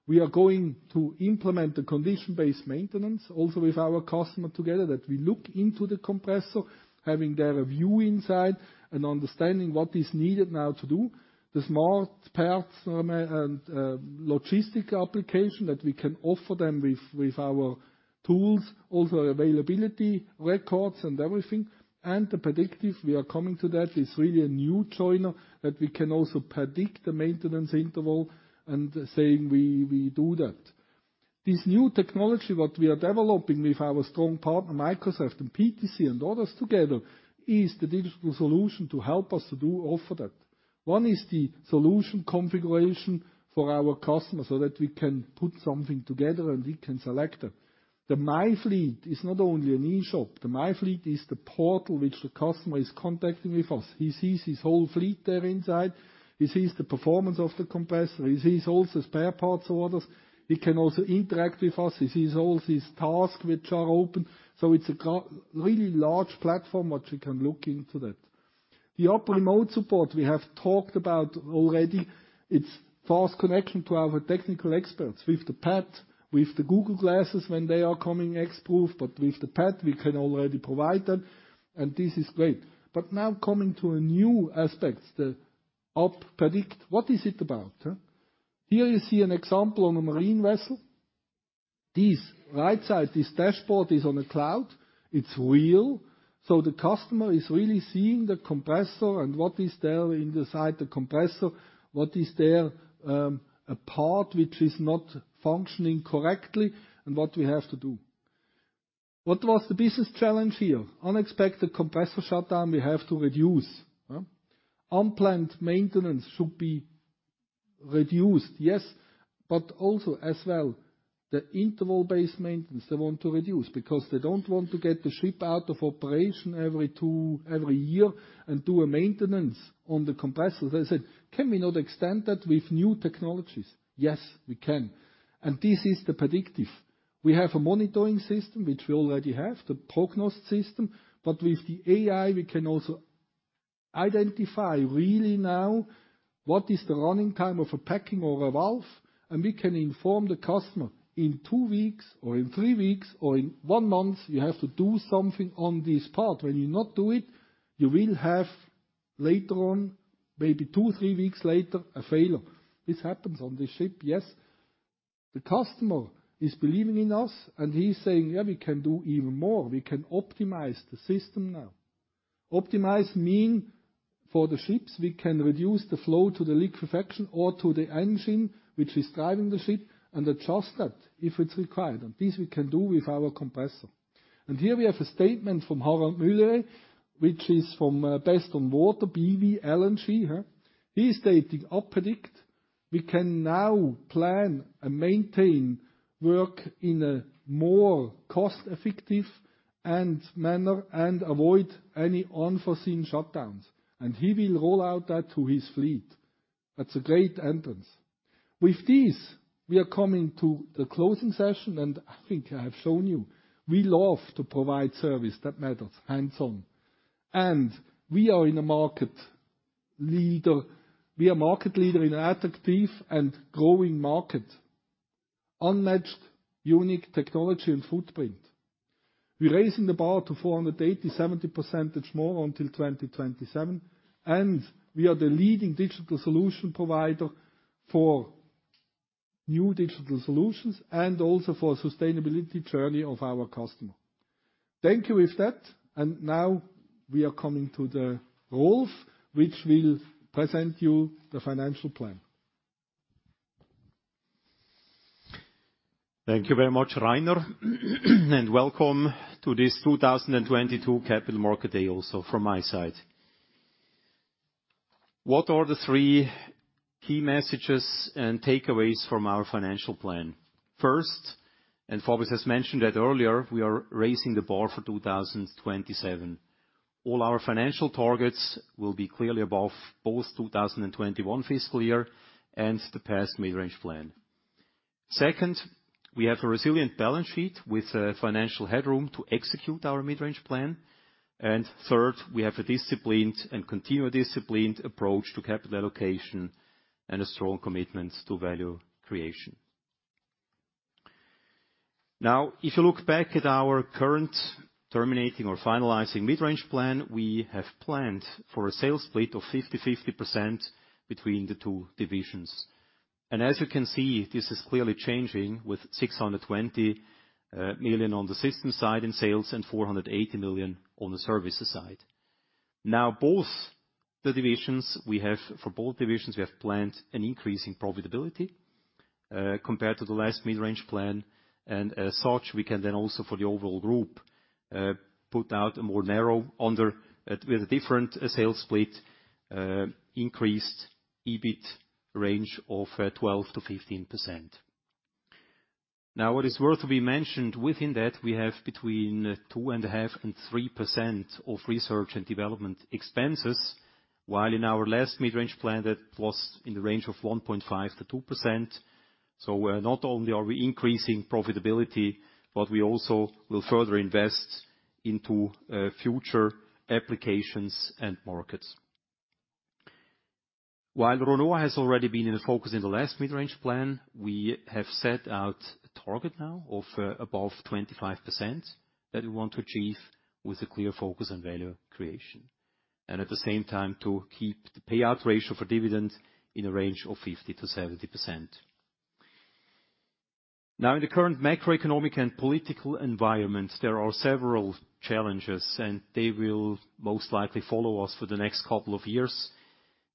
We are going to implement Condition-Based Maintenance also with our customer together, that we look into the compressor, having there a view inside and understanding what is needed now to do. The smart parts and logistic application that we can offer them with our tools, also availability records and everything. The predictive, we are coming to that. It's really a new joiner that we can also predict the maintenance interval and we do that. This new technology, what we are developing with our strong partner, Microsoft and PTC and others together, is the digital solution to help us to do offer that. 1 is the solution configuration for our customers so that we can put something together and we can select it. The MyFleet is not only an e-shop, the MyFleet is the portal which the customer is contacting with us. He sees his whole fleet there inside. He sees the performance of the compressor. He sees also spare parts orders. He can also interact with us. He sees all his tasks which are open. It's a really large platform which we can look into that. The UP! Remote Support we have talked about already. It's fast connection to our technical experts with the pad, with the Google Glasses when they are coming XProof, but with the pad, we can already provide that, and this is great. Now coming to a new aspect, the UP! Detect. What is it about, huh? Here you see an example on a marine vessel. This right side, this dashboard is on a cloud. It's real. The customer is really seeing the compressor and what is there inside the compressor, what is there, a part which is not functioning correctly and what we have to do. What was the business challenge here? Unexpected compressor shutdown we have to reduce, huh? Unplanned maintenance should be reduced, yes, but also as well, the interval-based maintenance, they want to reduce because they don't want to get the ship out of operation every 2. Every year and do a maintenance on the compressor. They said, "Can we not extend that with new technologies?" Yes, we can. This is the predictive. We have a monitoring system, which we already have, the PROGNOST system. With the AI, we can also identify really now what is the running time of a packing or a valve, and we can inform the customer, "In 2 weeks or in 3 weeks or in 1 month, you have to do something on this part. When you not do it, you will have later on, maybe 2, 3 weeks later, a failure." This happens on the ship, yes. The customer is believing in us, and he's saying, "Yeah, we can do even more. We can optimize the system now. Optimize means for the ships, we can reduce the flow to the liquefaction or to the engine which is driving the ship and adjust that if it's required. This we can do with our compressor. Here we have a statement from Harald Müller, which is from Best on Water B.V. LNG. He's stating UP! Predict, "We can now plan and maintain work in a more cost-effective manner and avoid any unforeseen shutdowns." He will roll out that to his fleet. That's a great endorsement. With this, we are coming to the closing session, and I think I have shown you we love to provide service that matters hands-on. We are a market leader in attractive and growing market, unmatched unique technology and footprint. We're raising the bar to 480, 70% more until 2027, and we are the leading digital solution provider for new digital solutions and also for the sustainability journey of our customer. Thank you. With that, now we are coming to Rolf, which will present you the financial plan. Thank you very much, Rainer Dübi, and welcome to this 2022 Capital Market Day also from my side. What are the 3 key messages and takeaways from our financial plan? First, Fabrice Billard has mentioned that earlier, we are raising the bar for 2027. All our financial targets will be clearly above both 2021 fiscal year and the past Midrange Plan. Second, we have a resilient balance sheet with financial headroom to execute our Midrange Plan. Third, we have a disciplined and continued disciplined approach to capital allocation and a strong commitment to value creation. Now, if you look back at our current terminating or finalizing Midrange Plan, we have planned for a sales split of 50-50% between the 2 divisions. As you can see, this is clearly changing with 620 million on the system side in sales and 480 million on the services side. Now, both divisions, for both divisions, we have planned an increase in profitability, compared to the last Midrange Plan. As such, we can then also for the overall group, put out a more narrow band with a different sales split, increased EBIT range of 12% to 15%. Now, what is worth to be mentioned within that, we have between 2.5% and 3% of research and development expenses, while in our last Midrange Plan, that was in the range of 1.5% to 2%. Not only are we increasing profitability, but we also will further invest into future applications and markets. While ROA has already been in the focus in the last Midrange Plan, we have set out a target now of above 25% that we want to achieve with a clear focus on value creation, and at the same time to keep the payout ratio for dividends in a range of 50% to 70%. Now, in the current macroeconomic and political environment, there are several challenges, and they will most likely follow us for the next couple of years.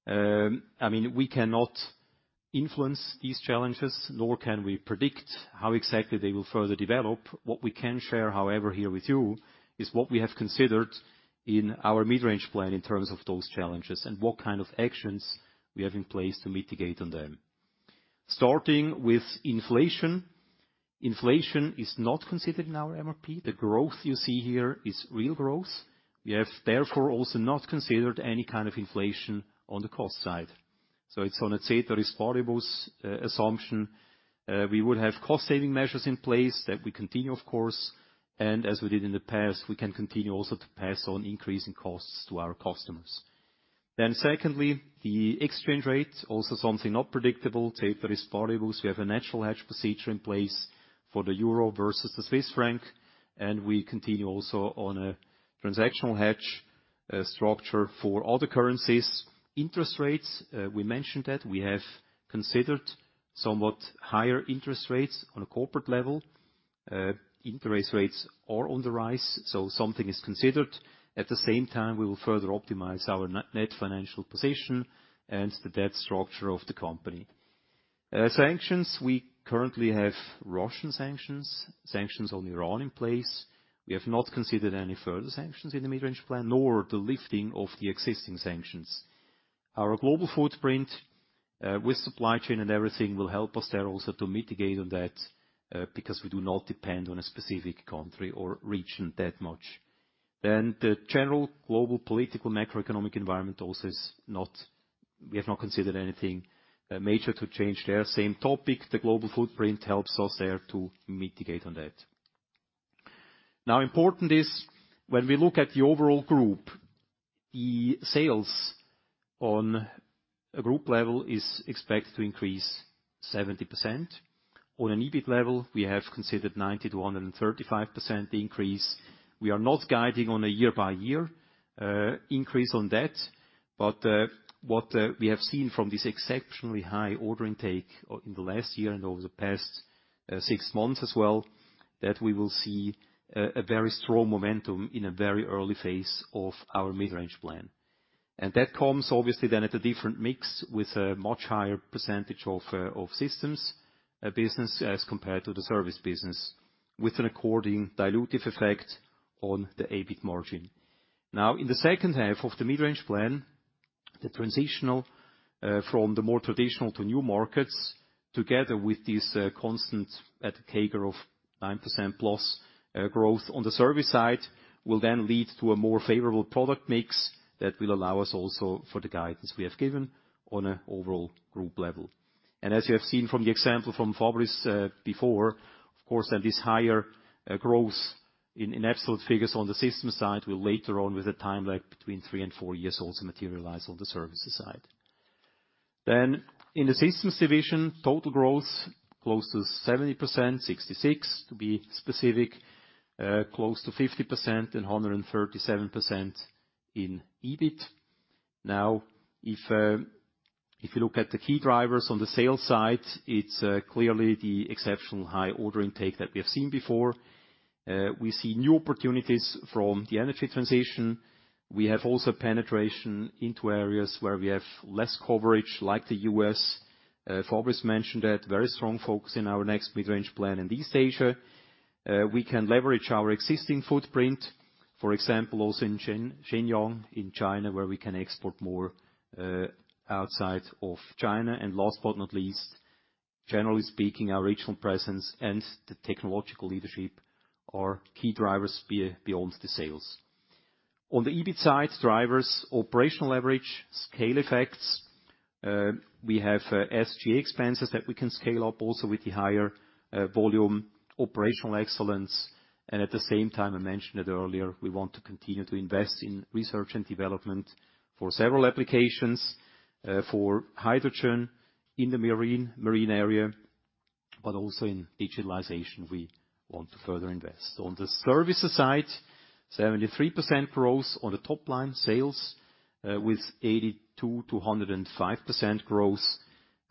I mean, we cannot influence these challenges, nor can we predict how exactly they will further develop. What we can share, however, here with you, is what we have considered in our mid-range plan in terms of those challenges and what kind of actions we have in place to mitigate on them. Starting with inflation. Inflation is not considered in our MRP. The growth you see here is real growth. We have therefore also not considered any kind of inflation on the cost side. It's on a ceteris paribus assumption. We would have cost saving measures in place that we continue, of course, and as we did in the past, we can continue also to pass on increasing costs to our customers. Secondly, the exchange rate, also something not predictable. Ceteris paribus, we have a natural hedge procedure in place for the euro versus the Swiss franc, and we continue also on a transactional hedge structure for other currencies. Interest rates, we mentioned that. We have considered somewhat higher interest rates on a corporate level. Interest rates are on the rise, so something is considered. At the same time, we will further optimize our net financial position and the debt structure of the company. Sanctions. We currently have Russian sanctions on Iran in place. We have not considered any further sanctions in the mid-range plan, nor the lifting of the existing sanctions. Our global footprint, with supply chain and everything, will help us there also to mitigate on that, because we do not depend on a specific country or region that much. The general global political macroeconomic environment also is not. We have not considered anything major to change there. Same topic, the global footprint helps us there to mitigate on that. Now important is when we look at the overall group, the sales on a group level is expected to increase 70%. On an EBIT level, we have considered 90% to 135% increase. We are not guiding on a year-by-year increase on that, but what we have seen from this exceptionally high order intake in the last year and over the past 6 months as well, that we will see a very strong momentum in a very early phase of our mid-range plan. That comes obviously then at a different mix with a much higher percentage of systems business as compared to the service business, with an according dilutive effect on the EBIT margin. Now in the H2 of the mid-range plan, the transitional from the more traditional to new markets, together with this constant at CAGR of 9%+ growth on the service side, will then lead to a more favorable product mix that will allow us also for the guidance we have given on an overall group level. As you have seen from the example from Fabrice before, of course this higher growth in absolute figures on the systems side will later on, with a time lag between 3 and 4 years, also materialize on the services side. In the systems division, total growth close to 70%, 66 to be specific, close to 50% and 137% in EBIT. Now, if you look at the key drivers on the sales side, it's clearly the exceptional high order intake that we have seen before. We see new opportunities from the energy transition. We have also penetration into areas where we have less coverage, like the U.S. Fabrice mentioned that very strong focus in our next mid-term plan in East Asia. We can leverage our existing footprint, for example, also in Shenyang in China, where we can export more outside of China. Last but not least, generally speaking, our regional presence and the technological leadership are key drivers beyond the sales. On the EBIT side, drivers, operational leverage, scale effects. We have SG&A expenses that we can scale up also with the higher volume operational excellence. At the same time, I mentioned it earlier, we want to continue to invest in research and development for several applications for hydrogen in the marine area, but also in digitalization, we want to further invest. On the services side, 73% growth on the top line sales with 82% to 105% growth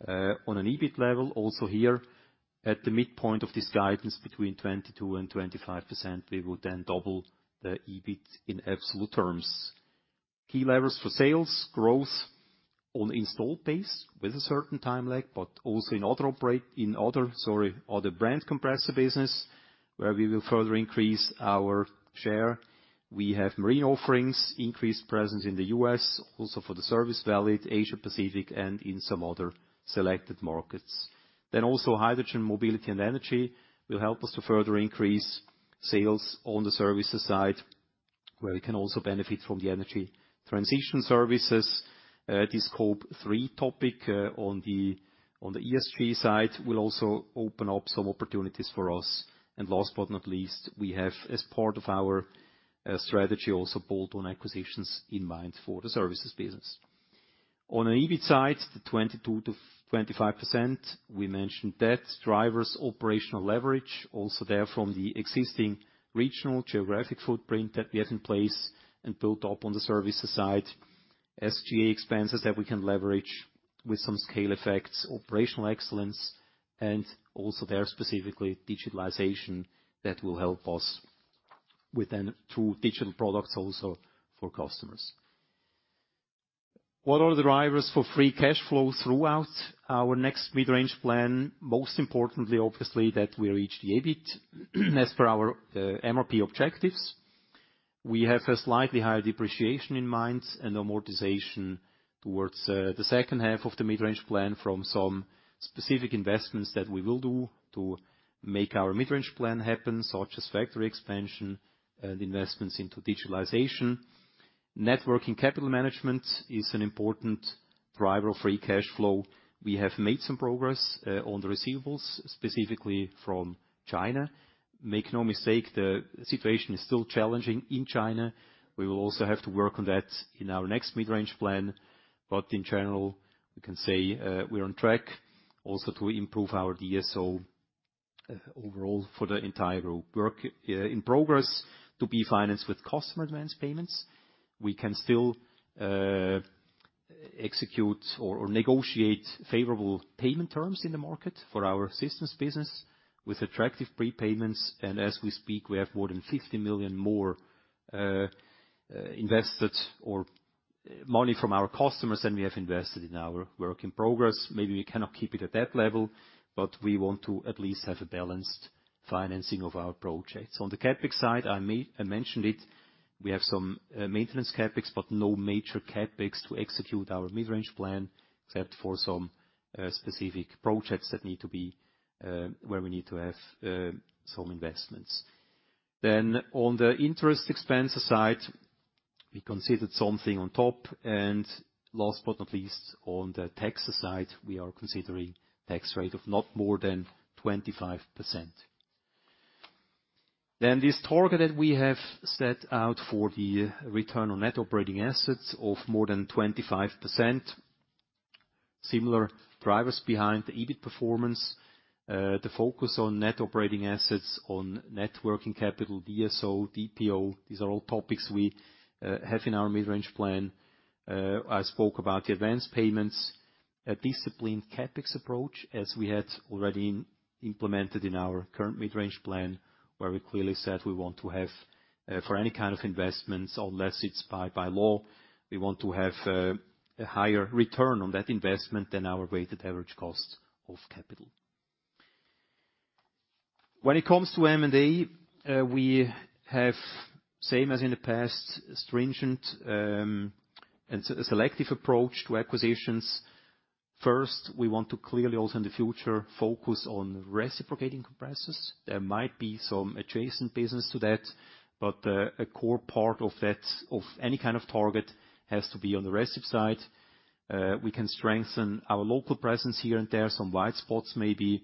on an EBIT level. Also here, at the midpoint of this guidance, between 22% and 25%, we would then double the EBIT in absolute terms. Key levers for sales growth on installed base with a certain time lag, but also in other brand compressor business, where we will further increase our share. We have marine offerings, increased presence in the US also for the service business in Asia-Pacific and in some other selected markets. Hydrogen Mobility & Energy will help us to further increase sales on the services side, where we can also benefit from the energy transition services. This Scope 3 topic on the ESG side will also open up some opportunities for us. Last but not least, we have, as part of our strategy, also bolt-on acquisitions in mind for the services business. On an EBIT side, the 22% to 25%, we mentioned that. Drivers, operational leverage, also there from the existing regional geographic footprint that we have in place and built up on the services side. SG&A expenses that we can leverage with some scale effects, operational excellence, and also there specifically digitalization that will help us. With new digital products also for customers. What are the drivers for free cash flow throughout our next mid-range plan? Most importantly, obviously, that we reach the EBIT. As per our MRP objectives, we have a slightly higher depreciation in mind and amortization towards the H2 of the mid-range plan from some specific investments that we will do to make our mid-range plan happen, such as factory expansion and investments into digitalization. Working capital management is an important driver of free cash flow. We have made some progress on the receivables, specifically from China. Make no mistake, the situation is still challenging in China. We will also have to work on that in our next mid-range plan. In general, we can say, we're on track also to improve our DSO overall for the entire group. Work in progress to be financed with customer advance payments. We can still execute or negotiate favorable payment terms in the market for our systems business with attractive prepayments. As we speak, we have more than 50 million more money from our customers than we have invested in our work in progress. Maybe we cannot keep it at that level, but we want to at least have a balanced financing of our projects. On the CapEx side, I mentioned it, we have some maintenance CapEx, but no major CapEx to execute our mid-range plan, except for some specific projects that need to be where we need to have some investments. On the interest expense side, we considered something on top. Last but not least, on the taxes side, we are considering tax rate of not more than 25%. This target that we have set out for the return on net operating assets of more than 25%. Similar drivers behind the EBIT performance, the focus on net operating assets, on net working capital, DSO, DPO, these are all topics we have in our mid-range plan. I spoke about the advanced payments, a disciplined CapEx approach as we had already implemented in our current mid-range plan, where we clearly said we want to have, for any kind of investments, unless it's by law, we want to have, a higher return on that investment than our weighted average cost of capital. When it comes to M&A, we have, same as in the past, stringent and selective approach to acquisitions. First, we want to clearly also in the future focus on reciprocating compressors. There might be some adjacent business to that, but a core part of that, of any kind of target has to be on the recip side. We can strengthen our local presence here and there, some white spots maybe,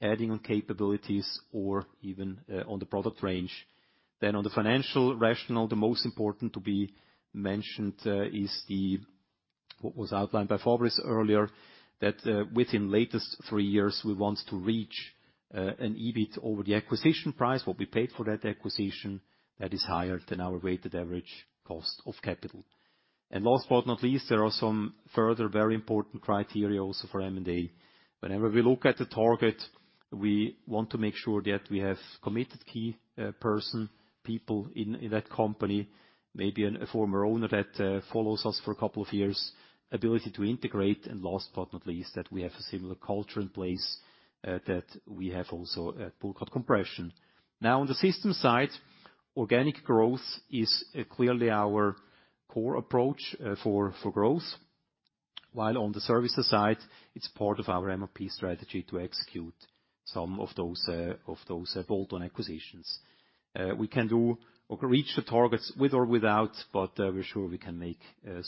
adding on capabilities or even on the product range. Then on the financial rationale, the most important to be mentioned is what was outlined by Fabrice earlier, that within latest 3 years, we want to reach an EBIT over the acquisition price, what we paid for that acquisition, that is higher than our weighted average cost of capital. Last but not least, there are some further very important criteria also for M&A. Whenever we look at a target, we want to make sure that we have committed key people in that company, maybe a former owner that follows us for a couple of years, ability to integrate. Last but not least, that we have a similar culture in place that we have also at Burckhardt Compression. Now, on the system side, organic growth is clearly our core approach for growth, while on the services side, it's part of our MRP strategy to execute some of those bolt-on acquisitions. We can do or can reach the targets with or without, but we're sure we can make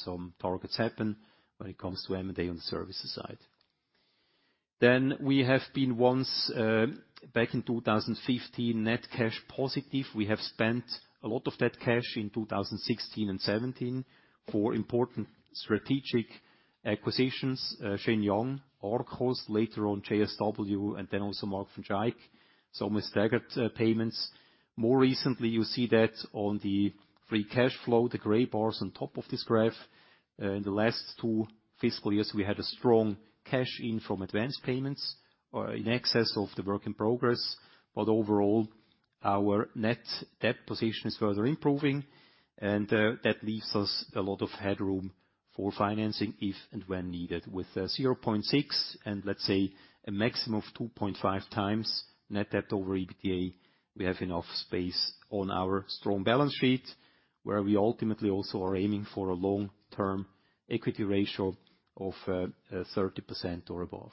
some targets happen when it comes to M&A on the services side. We have been once back in 2015, net cash positive. We have spent a lot of that cash in 2016 and 2017 for important strategic acquisitions, Shenyang, Arkos, later on JSW, and then also Mark van Schaick. Some with staggered payments. More recently, you see that on the free cash flow, the gray bars on top of this graph. In the last 2 fiscal years, we had a strong cash in from advanced payments or in excess of the work in progress. Overall, our net debt position is further improving, and that leaves us a lot of headroom for financing if and when needed. With 0.6 and let's say a maximum of 2.5 times net debt over EBITDA, we have enough space on our strong balance sheet, where we ultimately also are aiming for a long-term equity ratio of 30% or above.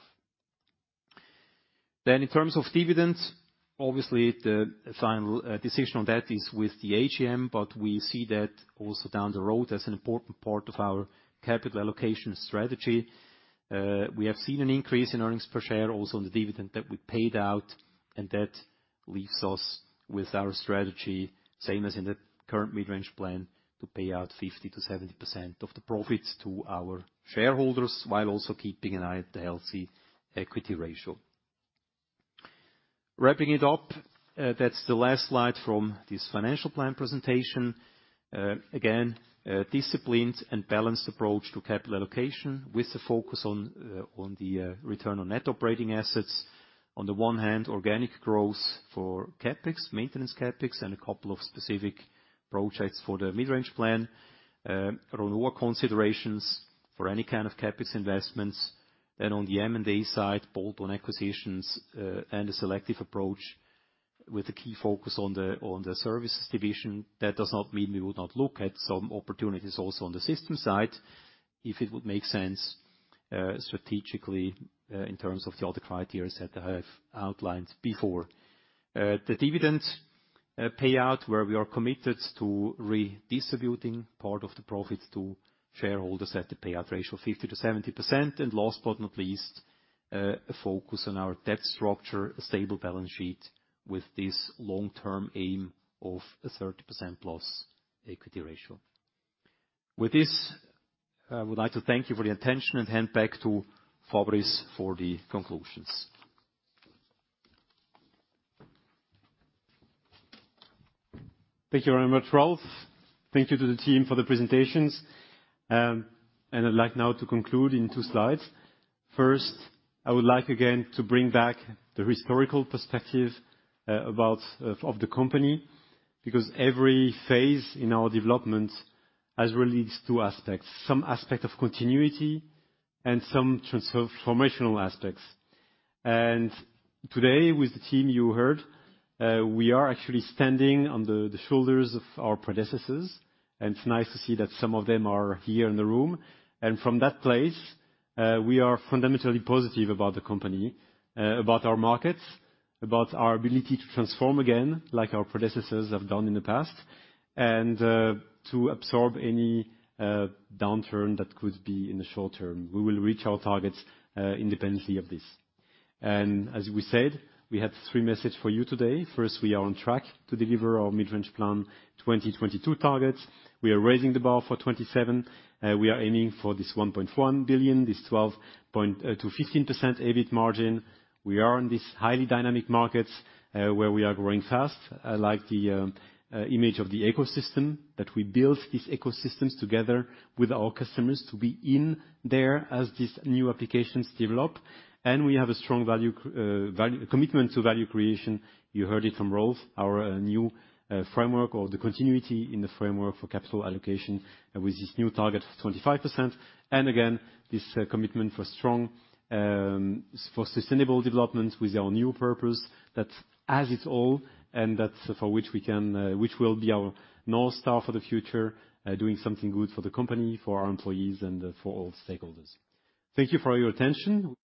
In terms of dividends, obviously, the final decision on that is with the AGM, but we see that also down the road as an important part of our capital allocation strategy. We have seen an increase in earnings per share also on the dividend that we paid out, and that leaves us with our strategy, same as in the current mid-range plan, to pay out 50% to 70% of the profits to our shareholders while also keeping an eye at the healthy equity ratio. Wrapping it up, that's the last slide from this financial plan presentation. Again, a disciplined and balanced approach to capital allocation with the focus on the return on net operating assets. On the one hand, organic growth for CapEx, maintenance CapEx, and a couple of specific projects for the mid-range plan. Renewal considerations for any kind of CapEx investments. On the M&A side, bolt-on acquisitions, and a selective approach with a key focus on the services division. That does not mean we would not look at some opportunities also on the system side, if it would make sense, strategically, in terms of the other criteria that I have outlined before. The dividend payout, where we are committed to redistributing part of the profit to shareholders at the payout ratio 50% to 70%. Last but not least, a focus on our debt structure, a stable balance sheet with this long-term aim of a 30%+ equity ratio. With this, I would like to thank you for your attention and hand back to Fabrice for the conclusions. Thank you very much, Rolf. Thank you to the team for the presentations. I'd like now to conclude in 2 slides. First, I would like again to bring back the historical perspective about the company, because every phase in our development has really 2 aspects. Some aspect of continuity and some transformational aspects. Today, with the team you heard, we are actually standing on the shoulders of our predecessors, and it's nice to see that some of them are here in the room. From that place, we are fundamentally positive about the company, about our markets, about our ability to transform again, like our predecessors have done in the past, and to absorb any downturn that could be in the short term. We will reach our targets, independently of this. As we said, we have 3 messages for you today. First, we are on track to deliver our mid-range plan 2022 targets. We are raising the bar for 2027. We are aiming for this 1.1 billion, this 12% to 15% EBIT margin. We are in these highly dynamic markets, where we are growing fast, like the image of the ecosystem, that we build these ecosystems together with our customers to be in there as these new applications develop. We have a strong value commitment to value creation. You heard it from Rolf, our new framework or the continuity in the framework for capital allocation with this new target of 25%. Again, this commitment for strong sustainable development with our new purpose. That's as it's all, and that's for which we can, which will be our North Star for the future, doing something good for the company, for our employees, and for all stakeholders. Thank you for your attention.